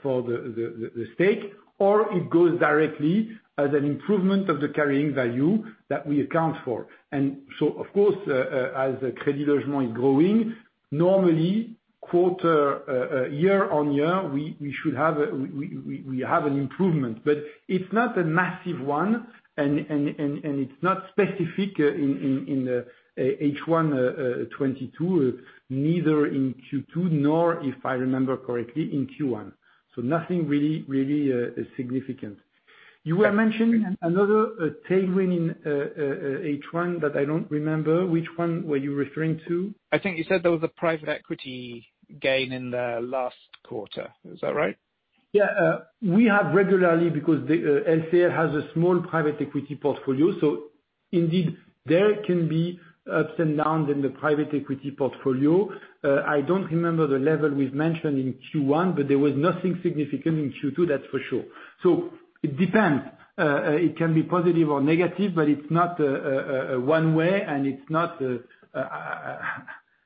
for the stake, or it goes directly as an improvement of the carrying value that we account for. Of course, as Crédit Logement is growing, normally quarter-on-quarter, year-on-year, we have an improvement. It's not a massive one and it's not specific in H1 2022. Neither in Q2, nor if I remember correctly, in Q1. Nothing really is significant. You were mentioning another tailwind in H1, but I don't remember. Which one were you referring to? I think you said there was a private equity gain in the last quarter. Is that right? Yeah, we have regularly because the LCL has a small private equity portfolio. Indeed there can be ups and downs in the private equity portfolio. I don't remember the level we've mentioned in Q1, but there was nothing significant in Q2, that's for sure. It depends. It can be positive or negative, but it's not one way and it's not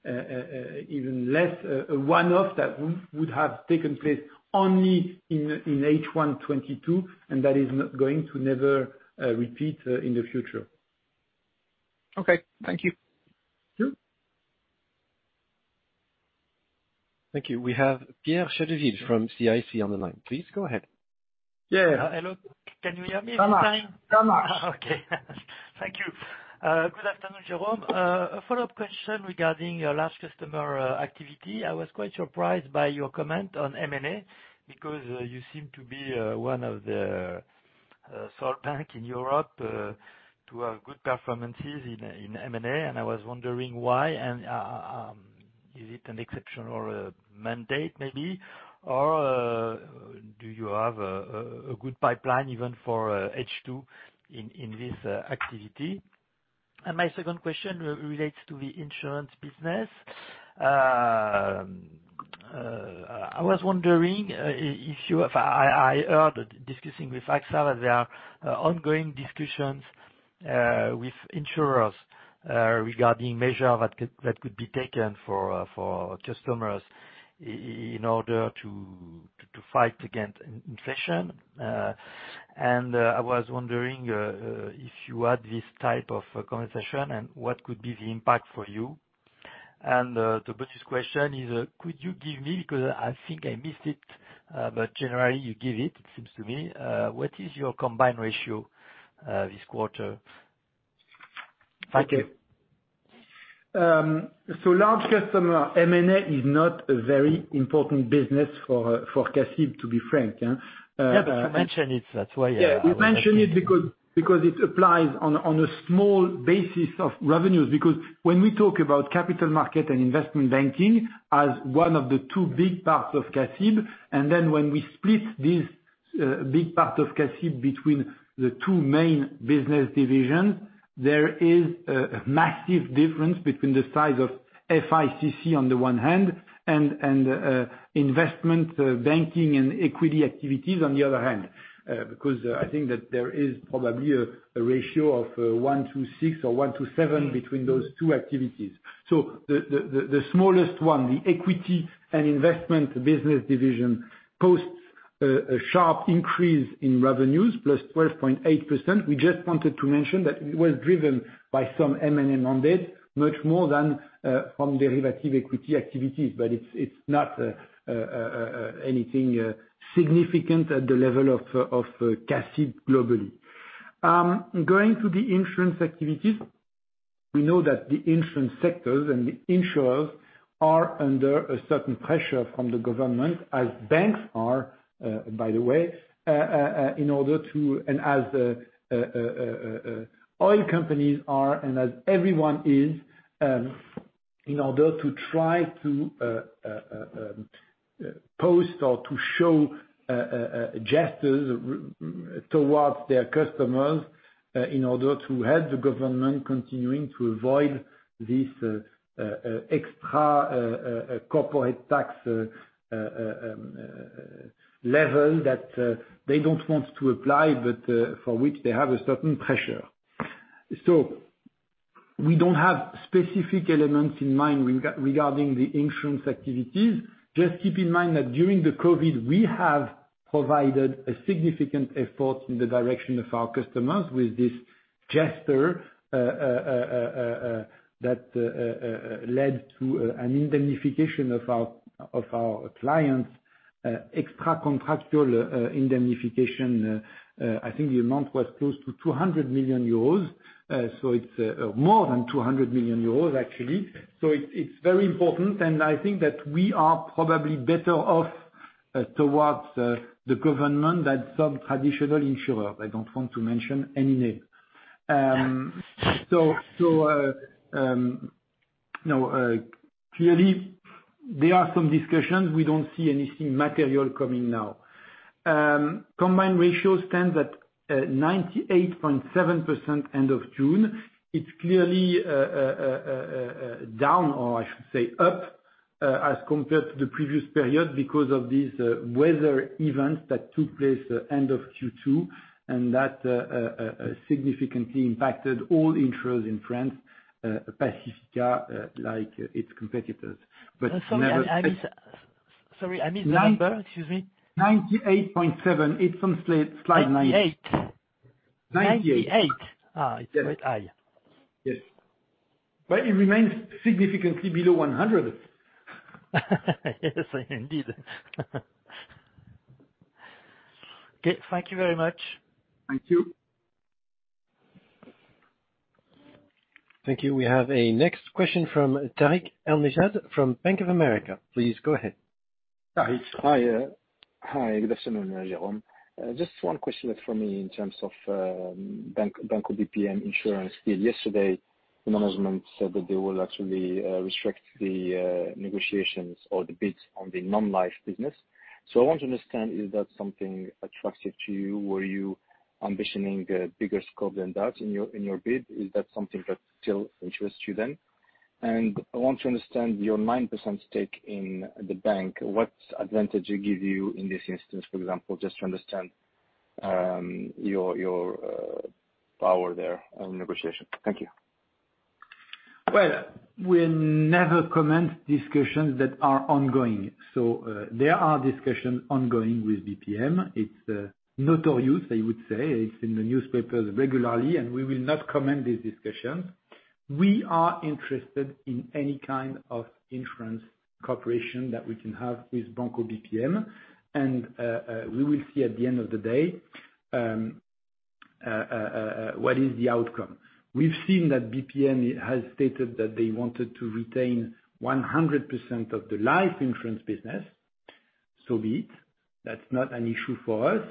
even less a one-off that would have taken place only in H1 2022, and that is not going to never repeat in the future. Okay. Thank you. Sure. Thank you. We have Pierre Chédeville from CIC on the line. Please go ahead. Yeah. Hello. Can you hear me this time? Much. Okay. Thank you. Good afternoon, Jérôme. A follow-up question regarding your Large Customer activity. I was quite surprised by your comment on M&A, because you seem to be one of the sole banks in Europe to have good performances in M&A, and I was wondering why, and is it an exceptional mandate maybe? Or do you have a good pipeline even for H2 in this activity? My second question relates to the insurance business. I was wondering if you have. I heard, discussing with AXA, that there are ongoing discussions with insurers regarding measures that could be taken for customers in order to fight against inflation. I was wondering if you had this type of conversation, and what could be the impact for you? The bonus question is, could you give me, 'cause I think I missed it, but generally you give it seems to me, what is your combined ratio, this quarter? Thank you. Large Customer M&A is not a very important business for CACIB, to be frank, yeah. Yeah, you mentioned it, that's why I- Yeah. We mentioned it because it applies on a small basis of revenues. When we talk about capital market and investment banking as one of the two big parts of CACIB, and then when we split this big part of CACIB between the two main business divisions, there is a massive difference between the size of FICC on the one hand, and investment banking and equity activities on the other hand. I think that there is probably a ratio of 1 to 6 or 1 to 7 between those two activities. The smallest one, the Equity and Investment business division, posts a sharp increase in revenues, plus 12.8%. We just wanted to mention that it was driven by some M&A mandate, much more than from derivative equity activities. It's not anything significant at the level of CACIB globally. Going to the insurance activities, we know that the insurance sectors and the insurers are under a certain pressure from the government, as banks are, by the way. As oil companies are, and as everyone is, in order to try to post or to show gestures towards their customers in order to help the government continuing to avoid this extra corporate tax level that they don't want to apply, but for which they have a certain pressure. We don't have specific elements in mind regarding the insurance activities. Just keep in mind that during the COVID, we have provided a significant effort in the direction of our customers with this gesture that led to an indemnification of our clients, extra contractual indemnification. I think the amount was close to 200 million euros. It's more than 200 million euros actually. It's very important, and I think that we are probably better off towards the government than some traditional insurer. I don't want to mention any name. Clearly there are some discussions. We don't see anything material coming now. Combined ratio stands at 98.7% end of June. It's clearly down, or I should say up, as compared to the previous period because of these weather events that took place end of Q2, and that significantly impacted all insurers in France, Pacifica, like its competitors. Sorry, I missed the number. Excuse me. 98.7. It's on slide nine. 98? Ninety-eight. 98. It's quite high. Yes. It remains significantly below 100%. Yes, indeed. Okay, thank you very much. Thank you. Thank you. We have a next question from Tarik El Mejjad from Bank of America. Please go ahead. Tarik. Hi. Hi, good afternoon, Jérôme. Just one question for me in terms of Banco BPM insurance deal. Yesterday the management said that they will actually restrict the negotiations or the bids on the non-life business. I want to understand, is that something attractive to you? Were you ambitioning a bigger scope than that in your bid? Is that something that still interests you then? I want to understand your 9% stake in the bank, what advantage it give you in this instance, for example, just to understand your power there in negotiation. Thank you. Well, we never comment discussions that are ongoing. There are discussions ongoing with BPM. It's not only you, I would say. It's in the newspapers regularly, and we will not comment this discussion. We are interested in any kind of insurance cooperation that we can have with Banco BPM, and we will see at the end of the day, what is the outcome. We've seen that BPM has stated that they wanted to retain 100% of the life insurance business, so be it. That's not an issue for us.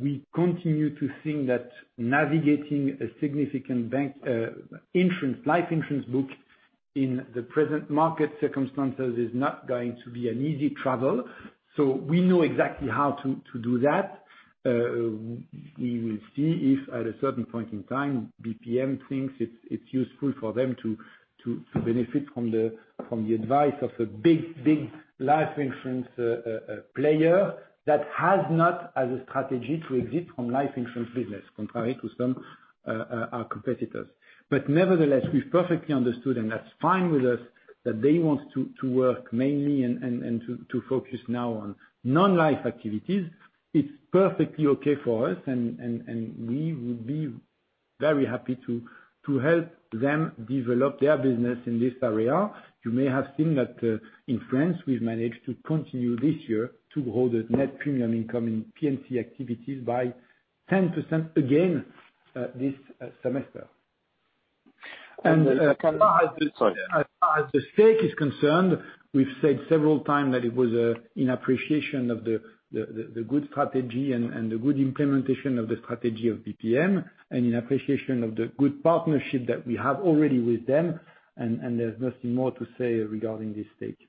We continue to think that navigating a significant bank, insurance, life insurance book in the present market circumstances is not going to be an easy travail. We know exactly how to do that. We will see if at a certain point in time, BPM thinks it's useful for them to benefit from the advice of a big life insurance player that has not as a strategy to exit from life insurance business, contrary to some of our competitors. Nevertheless, we've perfectly understood, and that's fine with us, that they want to work mainly and to focus now on non-life activities. It's perfectly okay for us, and we would be very happy to help them develop their business in this area. You may have seen that in France, we've managed to continue this year to grow the net premium income in P&C activities by 10% again this semester. Can I As far as- Sorry. As far as the stake is concerned, we've said several times that it was in appreciation of the good strategy and the good implementation of the strategy of BPM and in appreciation of the good partnership that we have already with them, and there's nothing more to say regarding this stake.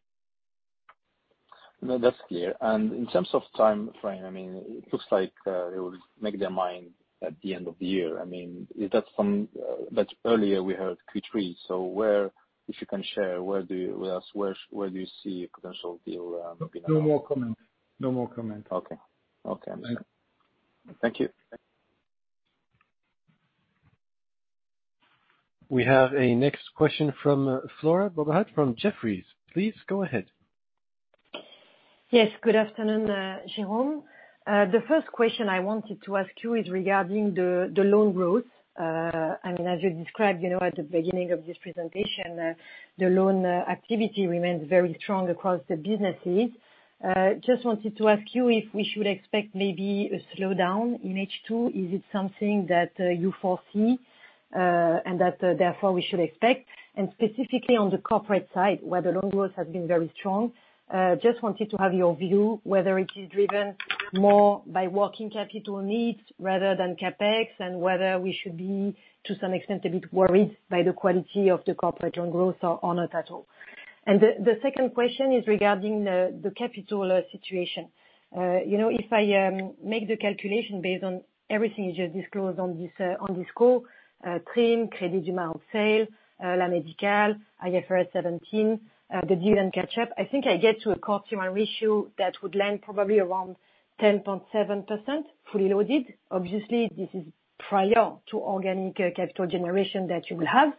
No, that's clear. In terms of timeframe, I mean, it looks like they will make up their mind at the end of the year. I mean, is that from, but earlier we heard Q3, so where, if you can share, where do you see a potential deal, you know? No more comment. Okay. Thank you. Thank you. We have a next question from Flora Bocahut from Jefferies. Please go ahead. Yes, good afternoon, Jérôme. The first question I wanted to ask you is regarding the loan growth. I mean, as you described, you know, at the beginning of this presentation, the loan activity remains very strong across the businesses. Just wanted to ask you if we should expect maybe a slowdown in H2. Is it something that you foresee, and that, therefore, we should expect? The second question is regarding the capital situation. You know, if I make the calculation based on everything you just disclosed on this call, TRIM, Crédit du Maroc sale, La Médicale, IFRS 17, the dividend catch-up, I think I get to a cost income ratio that would land probably around 10.7% fully loaded. Obviously, this is prior to organic capital generation that you will have.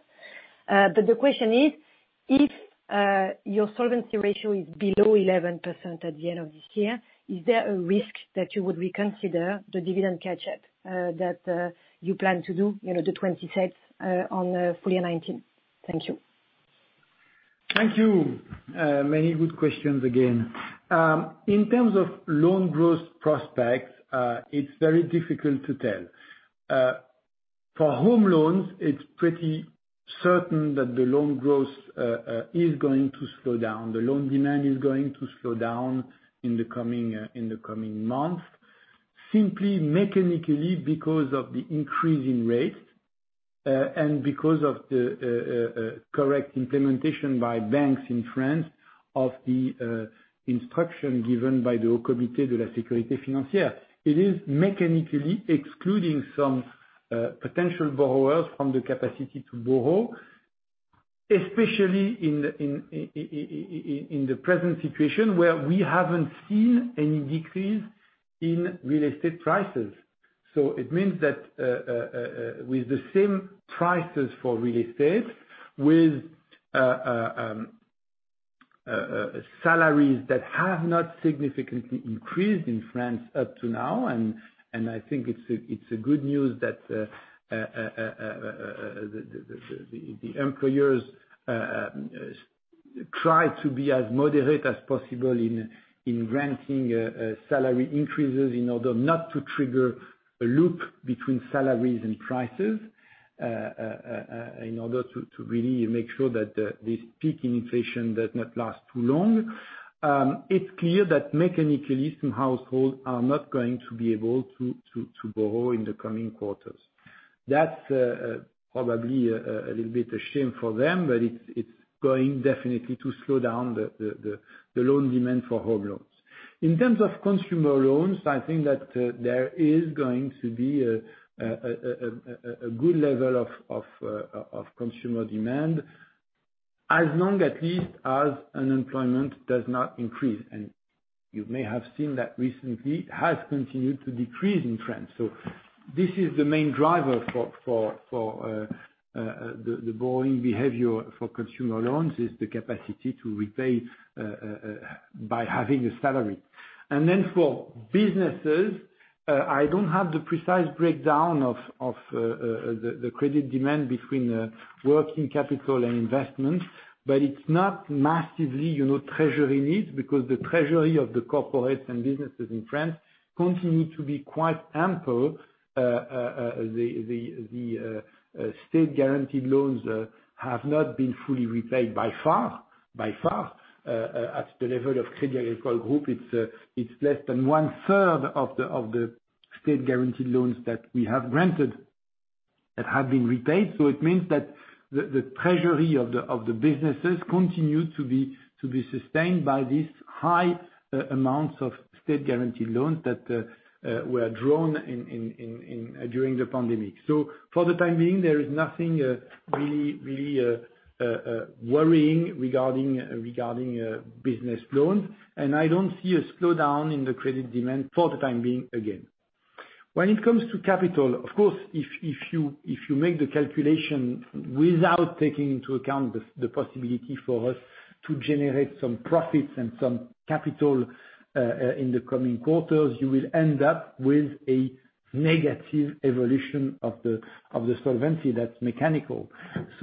The question is, if your solvency ratio is below 11% at the end of this year, is there a risk that you would reconsider the dividend catch-up that you plan to do, you know, the 0.26 on full year 2019? Thank you. Thank you. Many good questions again. In terms of loan growth prospects, it's very difficult to tell. For home loans, it's pretty certain that the loan growth is going to slow down. The loan demand is going to slow down in the coming months. Simply mechanically because of the increase in rates and because of the correct implementation by banks in France of the instruction given by the Haut Conseil de stabilité financière. It is mechanically excluding some potential borrowers from the capacity to borrow, especially in the present situation, where we haven't seen any decrease in real estate prices. It means that with the same prices for real estate, with salaries that have not significantly increased in France up to now, and I think it's good news that the employers try to be as moderate as possible in granting salary increases in order not to trigger a loop between salaries and prices, in order to really make sure that this peak inflation does not last too long. It's clear that mechanically some households are not going to be able to borrow in the coming quarters. That's probably a little bit a shame for them, but it's going definitely to slow down the loan demand for home loans. In terms of consumer loans, I think that there is going to be a good level of consumer demand, as long, at least, as unemployment does not increase. You may have seen that recently it has continued to decrease in France. This is the main driver for the borrowing behavior for consumer loans, is the capacity to repay by having a salary. For businesses, I don't have the precise breakdown of the credit demand between working capital and investments, but it's not massively, you know, treasury needs, because the treasury of the corporates and businesses in France continue to be quite ample. The state-guaranteed loans have not been fully repaid by far. At the level of Crédit Agricole Group, it's less than one-third of the state-guaranteed loans that we have granted that have been repaid. It means that the treasury of the businesses continue to be sustained by these high amounts of state-guaranteed loans that were drawn in during the pandemic. For the time being, there is nothing really worrying regarding business loans. I don't see a slowdown in the credit demand for the time being again. When it comes to capital, of course, if you make the calculation without taking into account the possibility for us to generate some profits and some capital in the coming quarters, you will end up with a negative evolution of the solvency that's mechanical.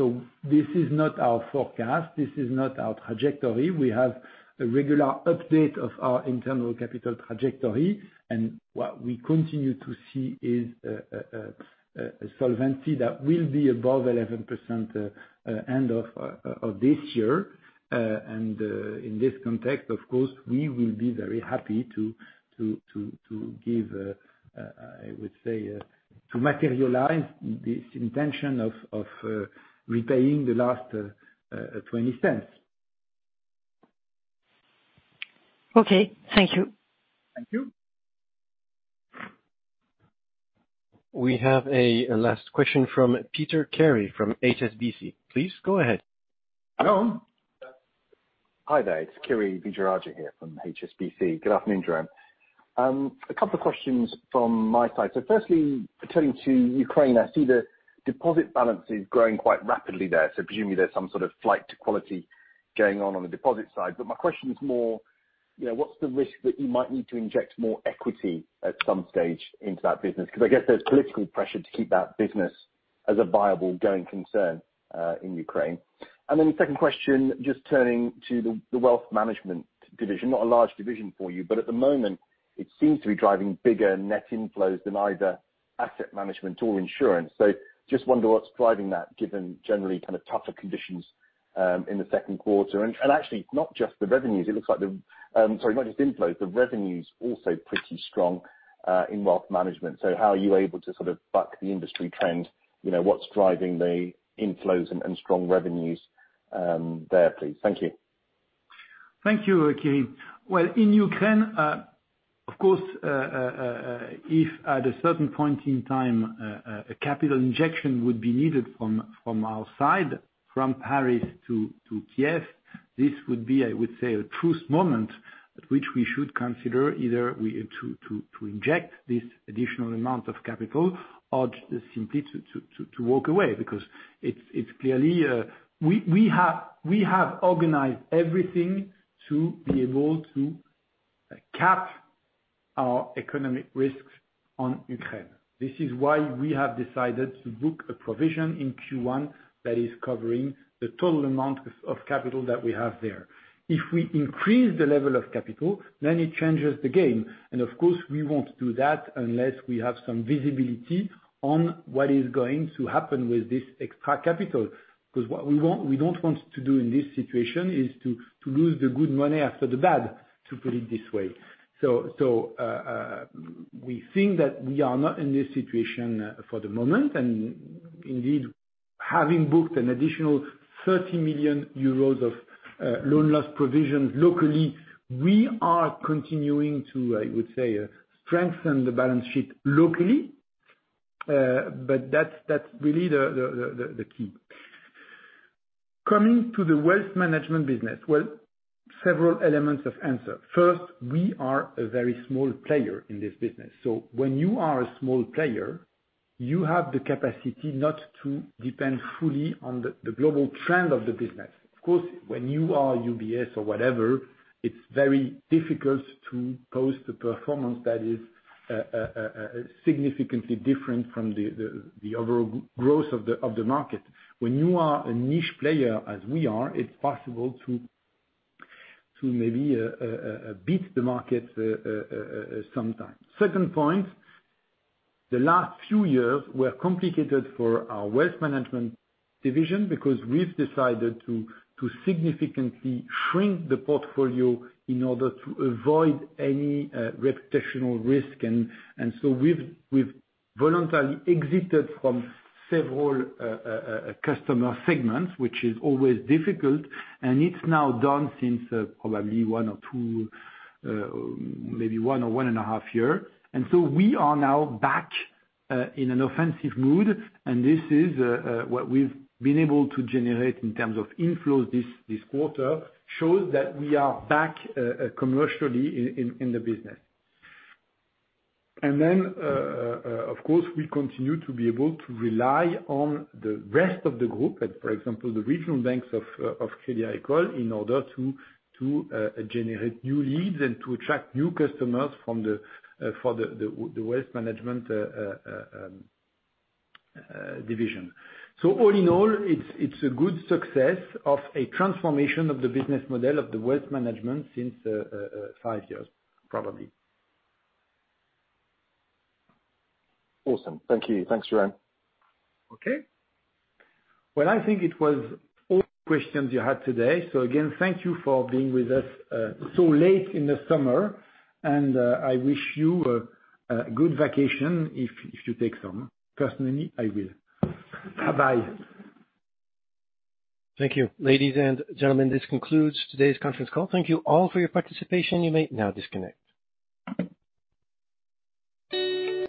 This is not our forecast. This is not our trajectory. We have a regular update of our internal capital trajectory. What we continue to see is a solvency that will be above 11% end of this year. In this context, of course, we will be very happy to give, I would say, to materialize this intention of repaying the last 0.20. Okay. Thank you. Thank you. We have a last question from Peter Carey from HSBC. Please go ahead. Hello. Hi there. It's Carey [Vijayarajan] here from HSBC. Good afternoon, Jérôme. A couple of questions from my side. Firstly, turning to Ukraine, I see the deposit balance is growing quite rapidly there, so presumably there's some sort of flight to quality going on on the deposit side. But my question is more, you know, what's the risk that you might need to inject more equity at some stage into that business? Because I guess there's political pressure to keep that business as a viable going concern in Ukraine. Then the second question, just turning to the Wealth Management division, not a large division for you, but at the moment it seems to be driving bigger net inflows than either asset management or insurance. Just wonder what's driving that, given generally kind of tougher conditions in the second quarter. Actually, not just inflows, the revenues also pretty strong in wealth management. How are you able to sort of buck the industry trend? You know, what's driving the inflows and strong revenues there, please? Thank you. Thank you, Carey. Well, in Ukraine, of course, if at a certain point in time, a capital injection would be needed from our side, from Paris to Kiev, this would be, I would say, a moment of truth at which we should consider either we are to inject this additional amount of capital or simply to walk away. Because it's clearly. We have organized everything to be able to cap our economic risks on Ukraine. This is why we have decided to book a provision in Q1 that is covering the total amount of capital that we have there. If we increase the level of capital, then it changes the game. Of course, we won't do that unless we have some visibility on what is going to happen with this extra capital. Because what we don't want to do in this situation is to lose good money after bad, to put it this way. We think that we are not in this situation for the moment. Indeed, having booked an additional 30 million euros of loan loss provisions locally, we are continuing to, I would say, strengthen the balance sheet locally. But that's really the key. Coming to the wealth management business. Well, several elements of answer. First, we are a very small player in this business. When you are a small player, you have the capacity not to depend fully on the global trend of the business. Of course, when you are UBS or whatever, it's very difficult to post a performance that is significantly different from the overall growth of the market. When you are a niche player, as we are, it's possible to maybe beat the market sometimes. Second point, the last few years were complicated for our Wealth Management division because we've decided to significantly shrink the portfolio in order to avoid any reputational risk. We've voluntarily exited from several customer segments, which is always difficult, and it's now done since probably one or two, maybe one or one and a half year. We are now back in an offensive mood, and this is what we've been able to generate in terms of inflows this quarter shows that we are back commercially in the business. Of course, we continue to be able to rely on the rest of the group, for example, the Regional Banks of Crédit Agricole, in order to generate new leads and to attract new customers for the Wealth Management division. All in all, it's a good success of a transformation of the business model of the wealth management since five years, probably. Awesome. Thank you. Thanks, Jérôme. Okay. Well, I think it was all questions you had today. Again, thank you for being with us so late in the summer. I wish you a good vacation, if you take some. Personally, I will. Bye-bye. Thank you. Ladies and gentlemen, this concludes today's conference call. Thank you all for your participation. You may now disconnect.